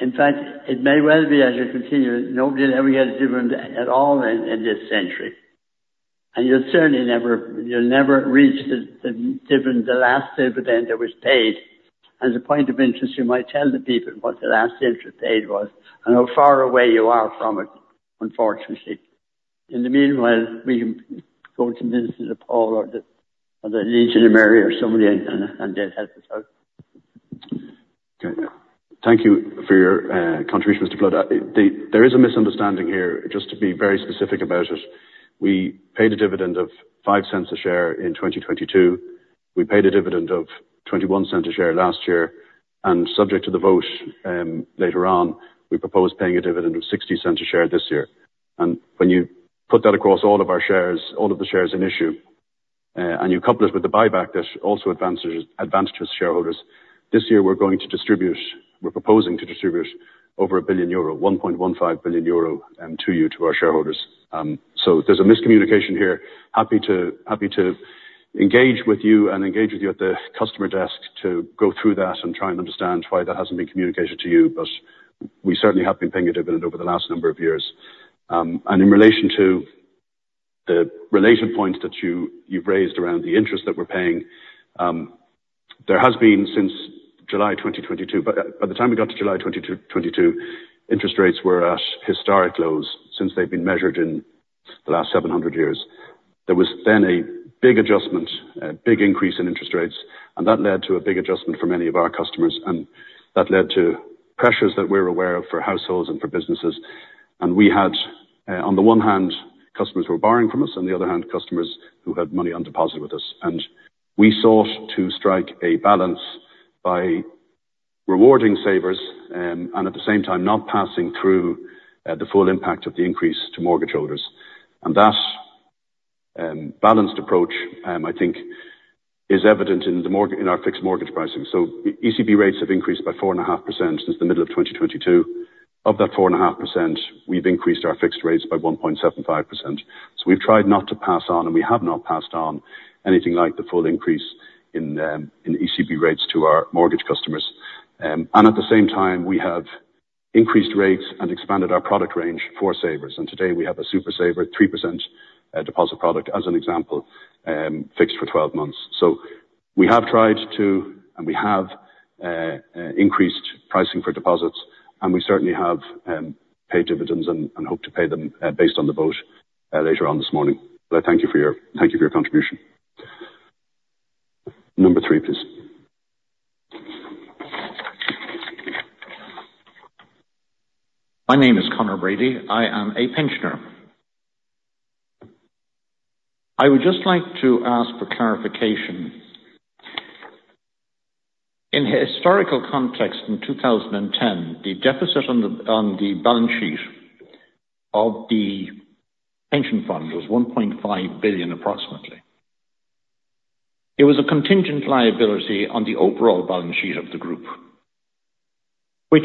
In fact, it may well be, as you continue, nobody will ever get a dividend at all in this century, and you'll certainly never, you'll never reach the dividend, the last dividend that was paid. As a point of interest, you might tell the people what the last dividend paid was, and how far away you are from it, unfortunately. In the meanwhile, we can go to Minister DePaul or the Legion of Mary or somebody and they'd help us out. Okay. Thank you for your contribution, Mr. Flood. There is a misunderstanding here, just to be very specific about it. We paid a dividend of 0.05 per share in 2022. We paid a dividend of 0.21 per share last year, and subject to the vote later on, we propose paying a dividend of 0.60 per share this year. And when you put that across all of our shares, all of the shares in issue, and you couple it with the buyback that also advances shareholders, this year we're proposing to distribute over 1 billion euro, 1.15 billion euro, to you, to our shareholders. So there's a miscommunication here. Happy to, happy to engage with you and engage with you at the customer desk to go through that and try and understand why that hasn't been communicated to you, but we certainly have been paying a dividend over the last number of years. And in relation to the related points that you, you've raised around the interest that we're paying, there has been since July 2022, but, by the time we got to July 2022, interest rates were at historic lows since they've been measured in the last 700 years. There was then a big adjustment, a big increase in interest rates, and that led to a big adjustment for many of our customers, and that led to pressures that we're aware of for households and for businesses. We had, on the one hand, customers were borrowing from us, on the other hand, customers who had money on deposit with us. We sought to strike a balance by rewarding savers, and at the same time, not passing through, the full impact of the increase to mortgage holders. That balanced approach, I think is evident in our fixed mortgage pricing. ECB rates have increased by 4.5% since the middle of 2022. Of that 4.5%, we've increased our fixed rates by 1.75%. We've tried not to pass on, and we have not passed on anything like the full increase in ECB rates to our mortgage customers. And at the same time, we have increased rates and expanded our product range for savers, and today we have a SuperSaver, 3%, deposit product, as an example, fixed for 12 months. We have tried to, and we have, increased pricing for deposits, and we certainly have, paid dividends and, and hope to pay them, based on the vote, later on this morning. But thank you for your, thank you for your contribution. Number three, please. My name is Conor Brady. I am a pensioner. I would just like to ask for clarification. In historical context, in 2010, the deficit on the balance sheet of the pension fund was 1.5 billion, approximately. It was a contingent liability on the overall balance sheet of the group, which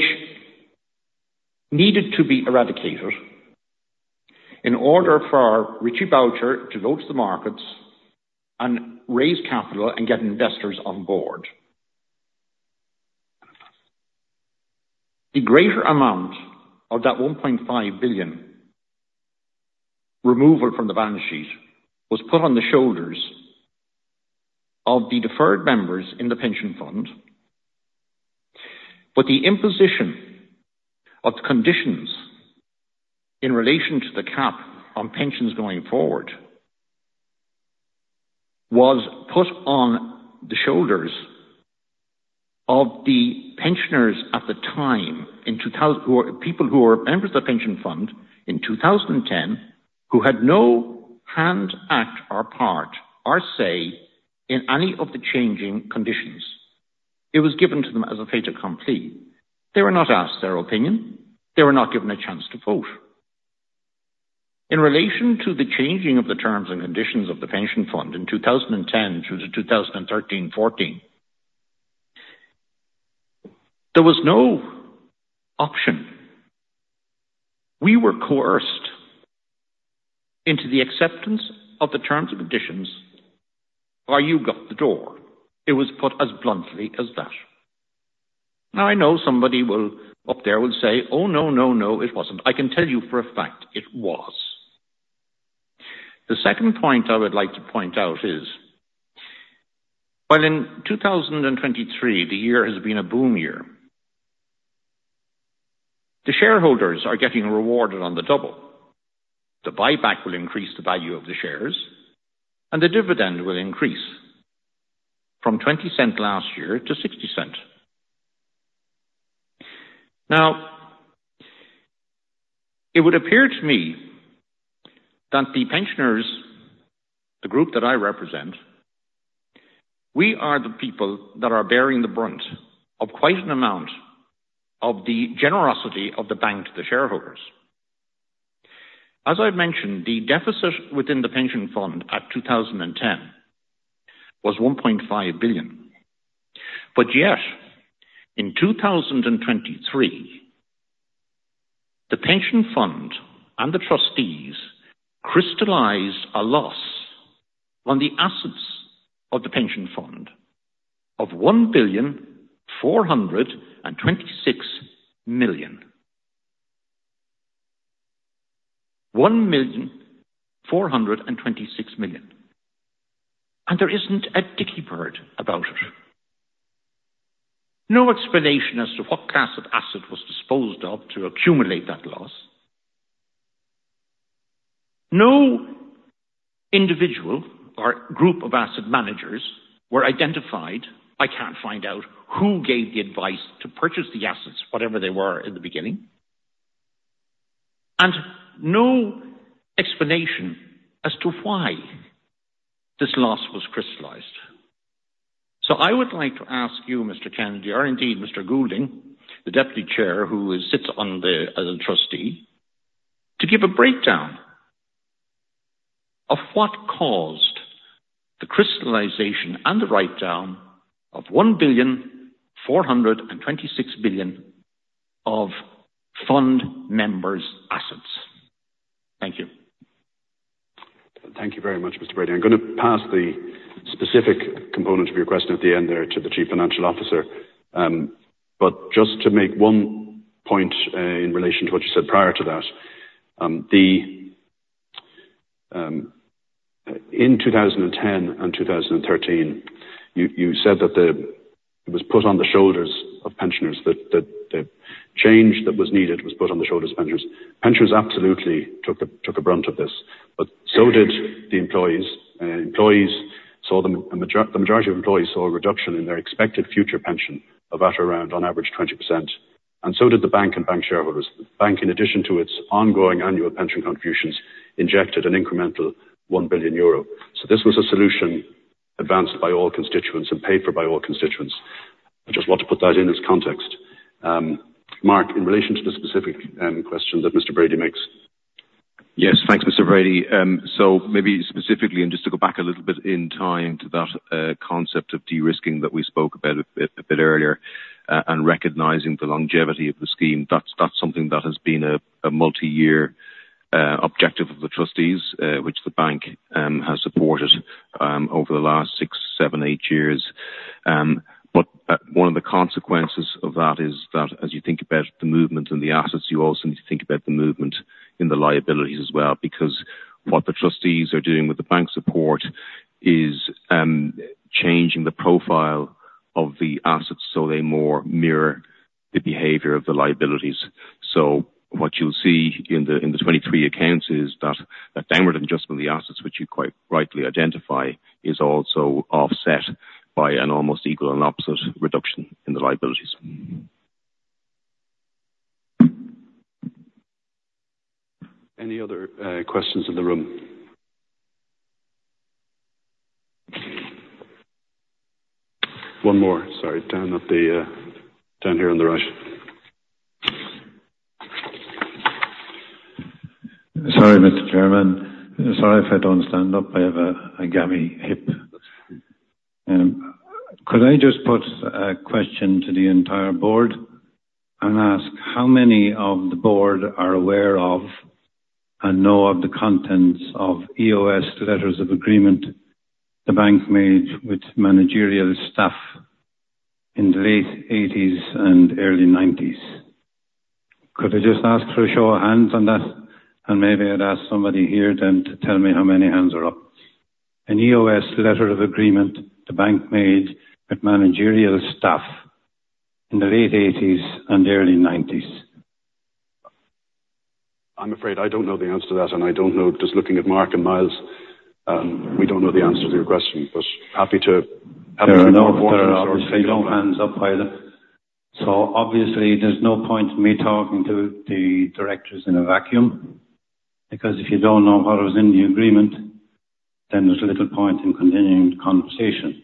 needed to be eradicated in order for Richie Boucher to go to the markets and raise capital and get investors on board. The greater amount of that 1.5 billion removal from the balance sheet was put on the shoulders of the deferred members in the pension fund. But the imposition of the conditions in relation to the cap on pensions going forward, was put on the shoulders of the pensioners at the time, in 2000... People who were members of the pension fund in 2010, who had no hand, act, or part, or say in any of the changing conditions. It was given to them as a fait accompli. They were not asked their opinion. They were not given a chance to vote. In relation to the changing of the terms and conditions of the pension fund in 2010 through to 2013, 2014, there was no option. We were coerced into the acceptance of the terms and conditions, or you got the door. It was put as bluntly as that. Now, I know somebody will, up there, will say: "Oh, no, no, no, it wasn't." I can tell you for a fact, it was. The second point I would like to point out is, while in 2023, the year has been a boom year, the shareholders are getting rewarded on the double. The buyback will increase the value of the shares, and the dividend will increase from 0.20 last year to 0.60. Now, it would appear to me that the pensioners, the group that I represent, we are the people that are bearing the brunt of quite an amount of the generosity of the bank to the shareholders. As I mentioned, the deficit within the pension fund at 2010 was 1.5 billion. But yet, in 2023, the pension fund and the trustees crystallized a loss on the assets of the pension fund of 1.426 billion. 1.426 billion, and there isn't a dicky bird about it. No explanation as to what class of asset was disposed of to accumulate that loss. No individual or group of asset managers were identified. I can't find out who gave the advice to purchase the assets, whatever they were in the beginning, and no explanation as to why this loss was crystallized. So I would like to ask you, Mr. Kennedy, or indeed Mr. Goulding, the deputy chair, who sits on the, as a trustee, to give a breakdown of what caused the crystallization and the write-down of 1.426 billion of fund members' assets. Thank you. Thank you very much, Mr. Brady. I'm going to pass the specific component of your question at the end there to the Chief Financial Officer. But just to make one point, in relation to what you said prior to that. In 2010 and 2013, you said that it was put on the shoulders of pensioners, that the change that was needed was put on the shoulders of pensioners. Pensioners absolutely took the brunt of this, but so did the employees. Employees saw the majority of employees saw a reduction in their expected future pension of around, on average, 20%, and so did the bank and bank shareholders. The bank, in addition to its ongoing annual pension contributions, injected an incremental 1 billion euro. This was a solution advanced by all constituents and paid for by all constituents. I just want to put that in its context. Mark, in relation to the specific question that Mr. Brady makes. Yes, thanks, Mr. Brady. So maybe specifically, and just to go back a little bit in time to that concept of de-risking that we spoke about a bit, a bit earlier, and recognizing the longevity of the scheme, that's, that's something that has been a multi-year objective of the trustees, which the bank has supported over the last six, seven, eight years. But one of the consequences of that is that as you think about the movement in the assets, you also need to think about the movement in the liabilities as well, because what the trustees are doing with the bank support is changing the profile of the assets so they more mirror the behavior of the liabilities. So what you'll see in the 23 accounts is that a downward adjustment of the assets, which you quite rightly identify, is also offset by an almost equal and opposite reduction in the liabilities. Any other questions in the room? One more, sorry. Down at the, down here in the right. Sorry, Mr. Chairman. Sorry if I don't stand up, I have a gammy hip. Could I just put a question to the entire board and ask how many of the board are aware of and know of the contents of EOS letters of agreement the bank made with managerial staff in the late eighties and early nineties? Could I just ask for a show of hands on that, and maybe I'd ask somebody here then to tell me how many hands are up. An EOS letter of agreement the bank made with managerial staff in the late eighties and early nineties. I'm afraid I don't know the answer to that, and I don't know, just looking at Mark and Myles, we don't know the answer to your question, but happy to- There are obviously no hands up either. So obviously there's no point in me talking to the directors in a vacuum, because if you don't know what was in the agreement, then there's little point in continuing the conversation.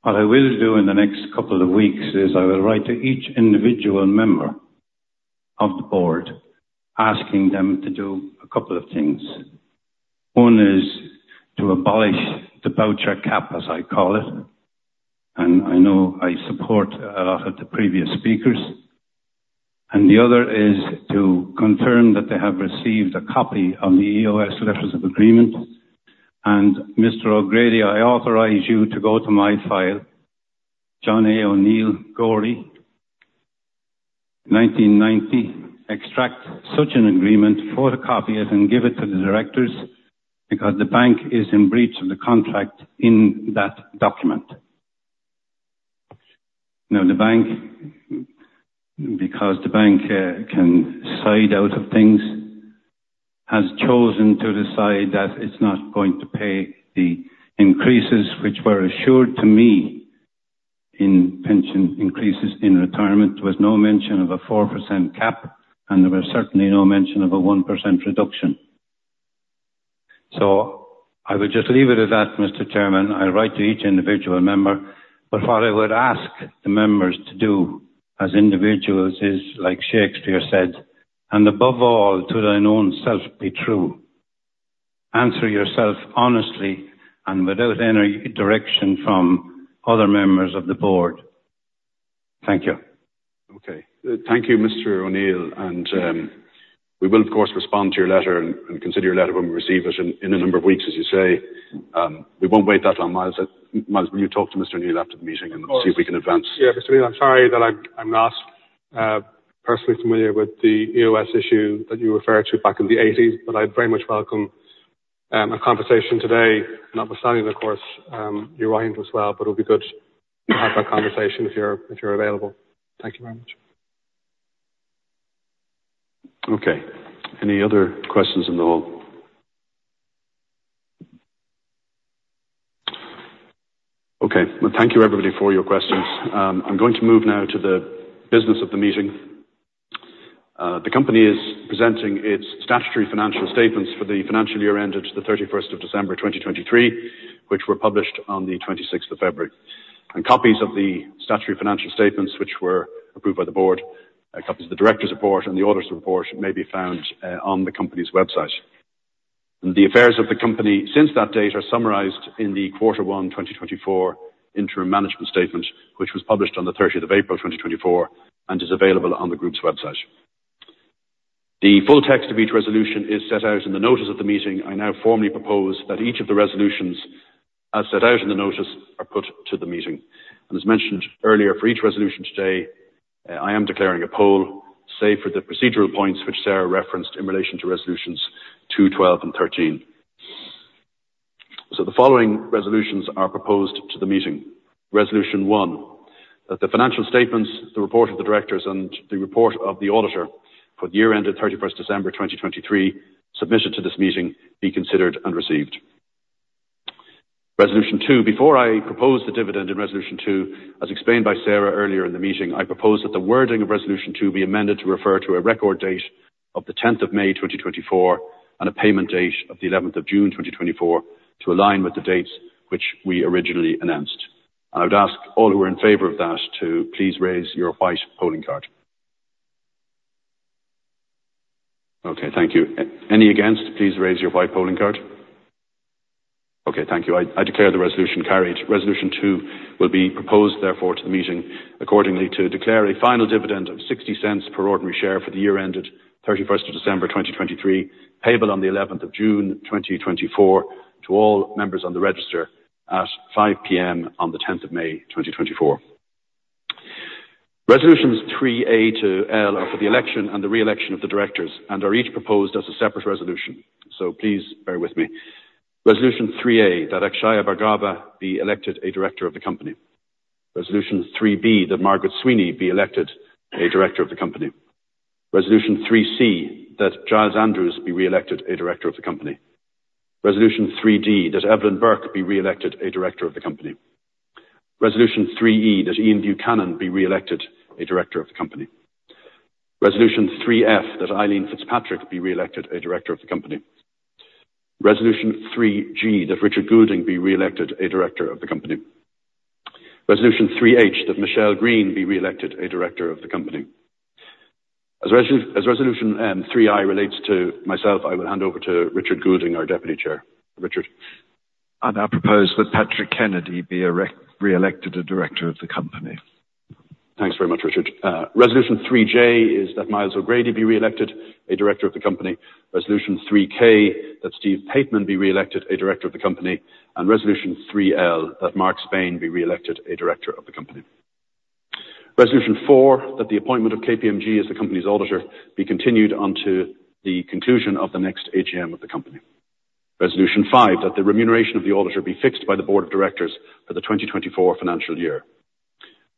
What I will do in the next couple of weeks is I will write to each individual member of the board, asking them to do a couple of things. One is to abolish the voucher cap, as I call it, and I know I support a lot of the previous speakers, and the other is to confirm that they have received a copy of the EOS letters of agreement. And Mr. O'Grady, I authorize you to go to my file, John A. O'Neill, Gorey, 1990, extract such an agreement, photocopy it, and give it to the directors, because the bank is in breach of the contract in that document. Now, the bank, because the bank can side out of things, has chosen to decide that it's not going to pay the increases which were assured to me in pension increases in retirement. There was no mention of a 4% cap, and there was certainly no mention of a 1% reduction. So I would just leave it at that, Mr. Chairman. I'll write to each individual member, but what I would ask the members to do as individuals is, like Shakespeare said, "And above all, to thine own self be true." Answer yourself honestly and without any direction from other members of the board. Thank you. Okay. Thank you, Mr. O'Neill, and we will of course respond to your letter and consider your letter when we receive it in a number of weeks, as you say. We won't wait that long. Myles, will you talk to Mr. O'Neill after the meeting and see if we can advance? Yeah, Mr. O'Neill, I'm sorry that I'm not personally familiar with the EOS issue that you referred to back in the eighties, but I'd very much welcome a conversation today, notwithstanding, of course, you writing to us well, but it'll be good to have that conversation if you're available. Thank you very much. Okay. Any other questions in the hall? Okay. Well, thank you, everybody, for your questions. I'm going to move now to the business of the meeting. The company is presenting its statutory financial statements for the financial year ended the 31st of December 2023, which were published on the 26th of February 2024. Copies of the statutory financial statements, which were approved by the board, copies of the director's report and the auditor's report may be found on the company's website. The affairs of the company since that date are summarized in the Q1 2024 Interim Management Statement, which was published on the 30th of April 2024, and is available on the group's website. The full text of each resolution is set out in the notice of the meeting. I now formally propose that each of the resolutions, as set out in the notice, are put to the meeting. As mentioned earlier, for each resolution today, I am declaring a poll, save for the procedural points which Sarah referenced in relation to Resolutions 2, 12, and 13. The following resolutions are proposed to the meeting. Resolution 1, that the financial statements, the report of the directors and the report of the auditor for the year ended 31 December 2023, submission to this meeting, be considered and received. Resolution 2, before I propose the dividend in Resolution 2, as explained by Sarah earlier in the meeting, I propose that the wording of Resolution 2 be amended to refer to a record date of the tenth of May 2024, and a payment date of the eleventh of June 2024, to align with the dates which we originally announced. I would ask all who are in favor of that to please raise your white polling card. Okay, thank you. Any against, please raise your white polling card. Okay, thank you. I declare the resolution carried. Resolution 2 will be proposed therefore to the meeting accordingly, to declare a final dividend of 0.60 per ordinary share for the year ended thirty-first of December 2023. Payable on the 11th of June, 2024, to all members on the register at 5:00 P.M. on the 10th of May, 2024. Resolutions 3A to 3L are for the election and the re-election of the directors and are each proposed as a separate resolution, so please bear with me. Resolution 3A, that Akshaya Bhargava be elected a director of the company. Resolution 3B, that Margaret Sweeney be elected a director of the company. Resolution 3C, that Giles Andrews be re-elected a director of the company. Resolution 3D, that Evelyn Bourke be re-elected a director of the company. Resolution 3E, that Ian Buchanan be re-elected a director of the company. Resolution 3F, that Eileen Fitzpatrick be re-elected a director of the company. Resolution 3G, that Richard Goulding be re-elected a director of the company. Resolution 3H, that Michelle Greene be re-elected a director of the company. As resolution 3I relates to myself, I will hand over to Richard Goulding, our Deputy Chair. Richard? I now propose that Patrick Kennedy be re-elected a director of the company. Thanks very much, Richard. Resolution 3J is that Myles O'Grady be re-elected a director of the company. Resolution 3K, that Steve Pateman be re-elected a director of the company, and resolution 3L, that Mark Spain be re-elected a director of the company. Resolution 4, that the appointment of KPMG as the company's auditor be continued onto the conclusion of the next AGM of the company. Resolution 5, that the remuneration of the auditor be fixed by the board of directors for the 2024 financial year.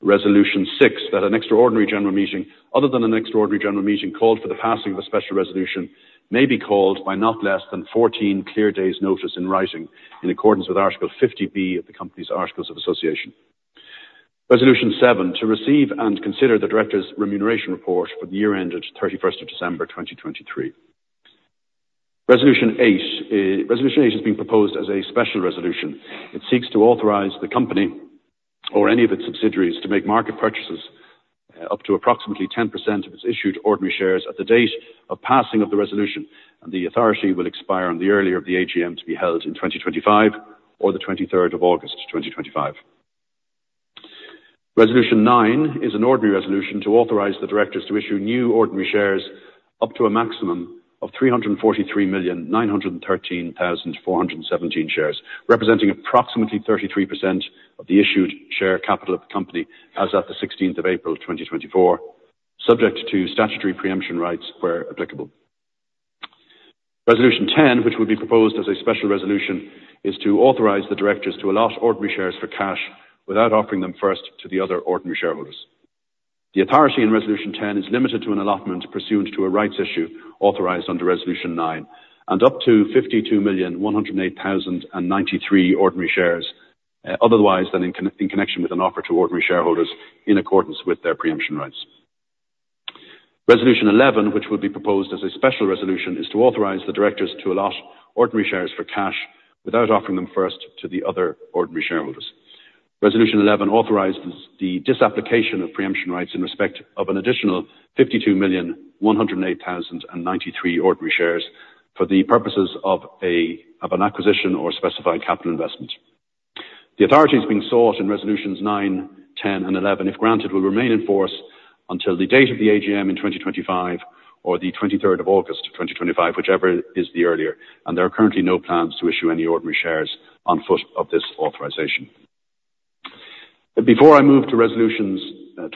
Resolution 6, that an extraordinary general meeting, other than an extraordinary general meeting, called for the passing of a special resolution, may be called by not less than 14 clear days notice in writing, in accordance with Article 50 B of the company's Articles of Association. Resolution seven, to receive and consider the Directors' Remuneration Report for the year ended 31st of December 2023. Resolution eight, resolution eight has been proposed as a special resolution. It seeks to authorize the company or any of its subsidiaries to make market purchases, up to approximately 10% of its issued ordinary shares at the date of passing of the resolution, and the authority will expire on the earlier of the AGM to be held in 2025 or the 23rd of August 2025. Resolution 9 is an Ordinary Resolution to authorize the directors to issue new ordinary shares up to a maximum of 343,913,417 shares, representing approximately 33% of the issued share capital of the company as of the sixteenth of April, 2024, subject to statutory pre-emption rights, where applicable. Resolution 10, which will be proposed as a Special Resolution, is to authorize the directors to allot ordinary shares for cash without offering them first to the other ordinary shareholders. The authority in Resolution 10 is limited to an allotment pursuant to a rights issue authorized under Resolution 9, and up to 52,108,093 ordinary shares, otherwise than in connection with an offer to ordinary shareholders in accordance with their pre-emption rights. Resolution eleven, which will be proposed as a special resolution, is to authorize the directors to allot ordinary shares for cash without offering them first to the other ordinary shareholders. Resolution eleven authorizes the disapplication of pre-emption rights in respect of an additional 52,108,093 ordinary shares, for the purposes of an acquisition or specified capital investment. The authorities being sought in resolutions nine, 10, and 11, if granted, will remain in force until the date of the AGM in 2025 or the twenty-third of August 2025, whichever is the earlier, and there are currently no plans to issue any ordinary shares on foot of this authorization. Before I move to resolutions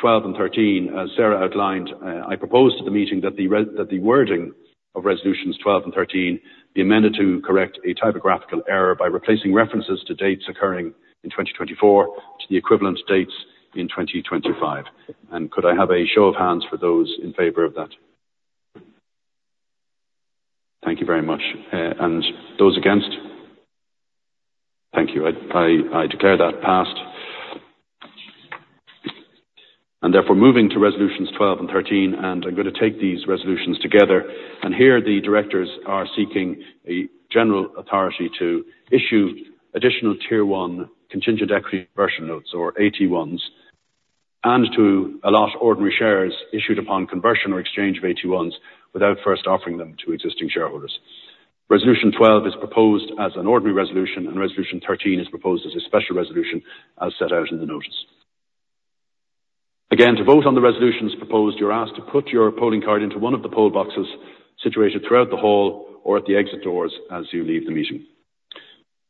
12 and 13, as Sarah outlined, I propose to the meeting that the wording of resolutions 12 and 13 be amended to correct a typographical error by replacing references to dates occurring in 2024 to the equivalent dates in 2025. Could I have a show of hands for those in favor of that? Thank you very much. And those against? Thank you. I declare that passed. Therefore, moving to resolutions 12 and 13, and I'm gonna take these resolutions together. Here, the directors are seeking a general authority to issue Additional Tier 1 contingent equity conversion notes, or AT1s, and to allot ordinary shares issued upon conversion or exchange of AT1s, without first offering them to existing shareholders. Resolution 12 is proposed as an ordinary resolution, and resolution 13 is proposed as a special resolution, as set out in the notice. Again, to vote on the resolutions proposed, you're asked to put your polling card into one of the poll boxes situated throughout the hall or at the exit doors as you leave the meeting.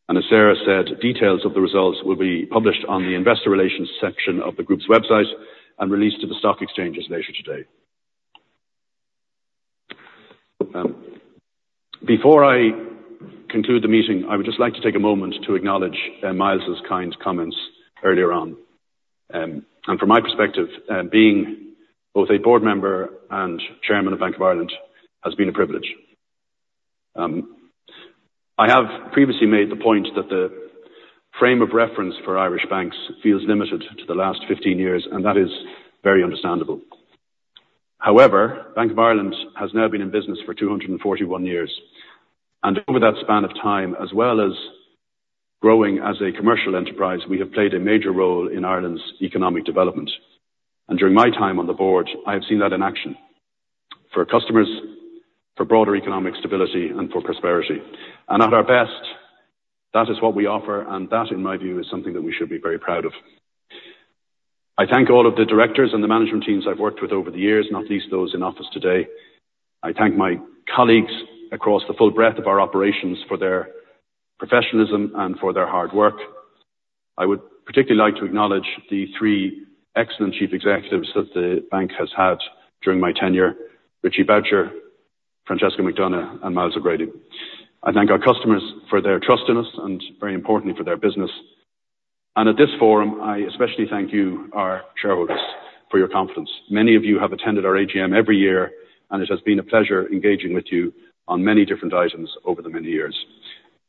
And as Sarah said, details of the results will be published on the investor relations section of the group's website and released to the stock exchanges later today. Before I conclude the meeting, I would just like to take a moment to acknowledge Myles's kind comments earlier on. From my perspective, being both a board member and chairman of Bank of Ireland, has been a privilege. I have previously made the point that the frame of reference for Irish banks feels limited to the last 15 years, and that is very understandable. However, Bank of Ireland has now been in business for 241 years, and over that span of time, as well as growing as a commercial enterprise, we have played a major role in Ireland's economic development. During my time on the board, I have seen that in action. For customers, for broader economic stability, and for prosperity, and at our best, that is what we offer, and that, in my view, is something that we should be very proud of. I thank all of the directors and the management teams I've worked with over the years, not least those in office today. I thank my colleagues across the full breadth of our operations, for their professionalism and for their hard work. I would particularly like to acknowledge the three excellent chief executives that the bank has had during my tenure, Richie Boucher, Francesca McDonagh, and Myles O'Grady. I thank our customers for their trust in us and, very importantly, for their business. At this forum, I especially thank you, our shareholders, for your confidence. Many of you have attended our AGM every year, and it has been a pleasure engaging with you on many different items over the many years.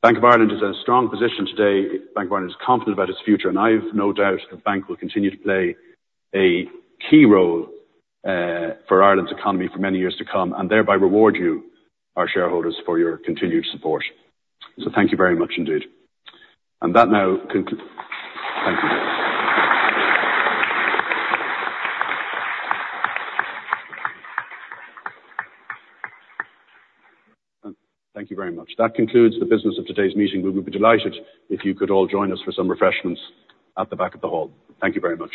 Bank of Ireland is in a strong position today. Bank of Ireland is confident about its future, and I have no doubt the bank will continue to play a key role for Ireland's economy for many years to come, and thereby reward you, our shareholders, for your continued support. Thank you very much indeed. And that now thank you. Thank you very much. That concludes the business of today's meeting. We would be delighted if you could all join us for some refreshments at the back of the hall. Thank you very much.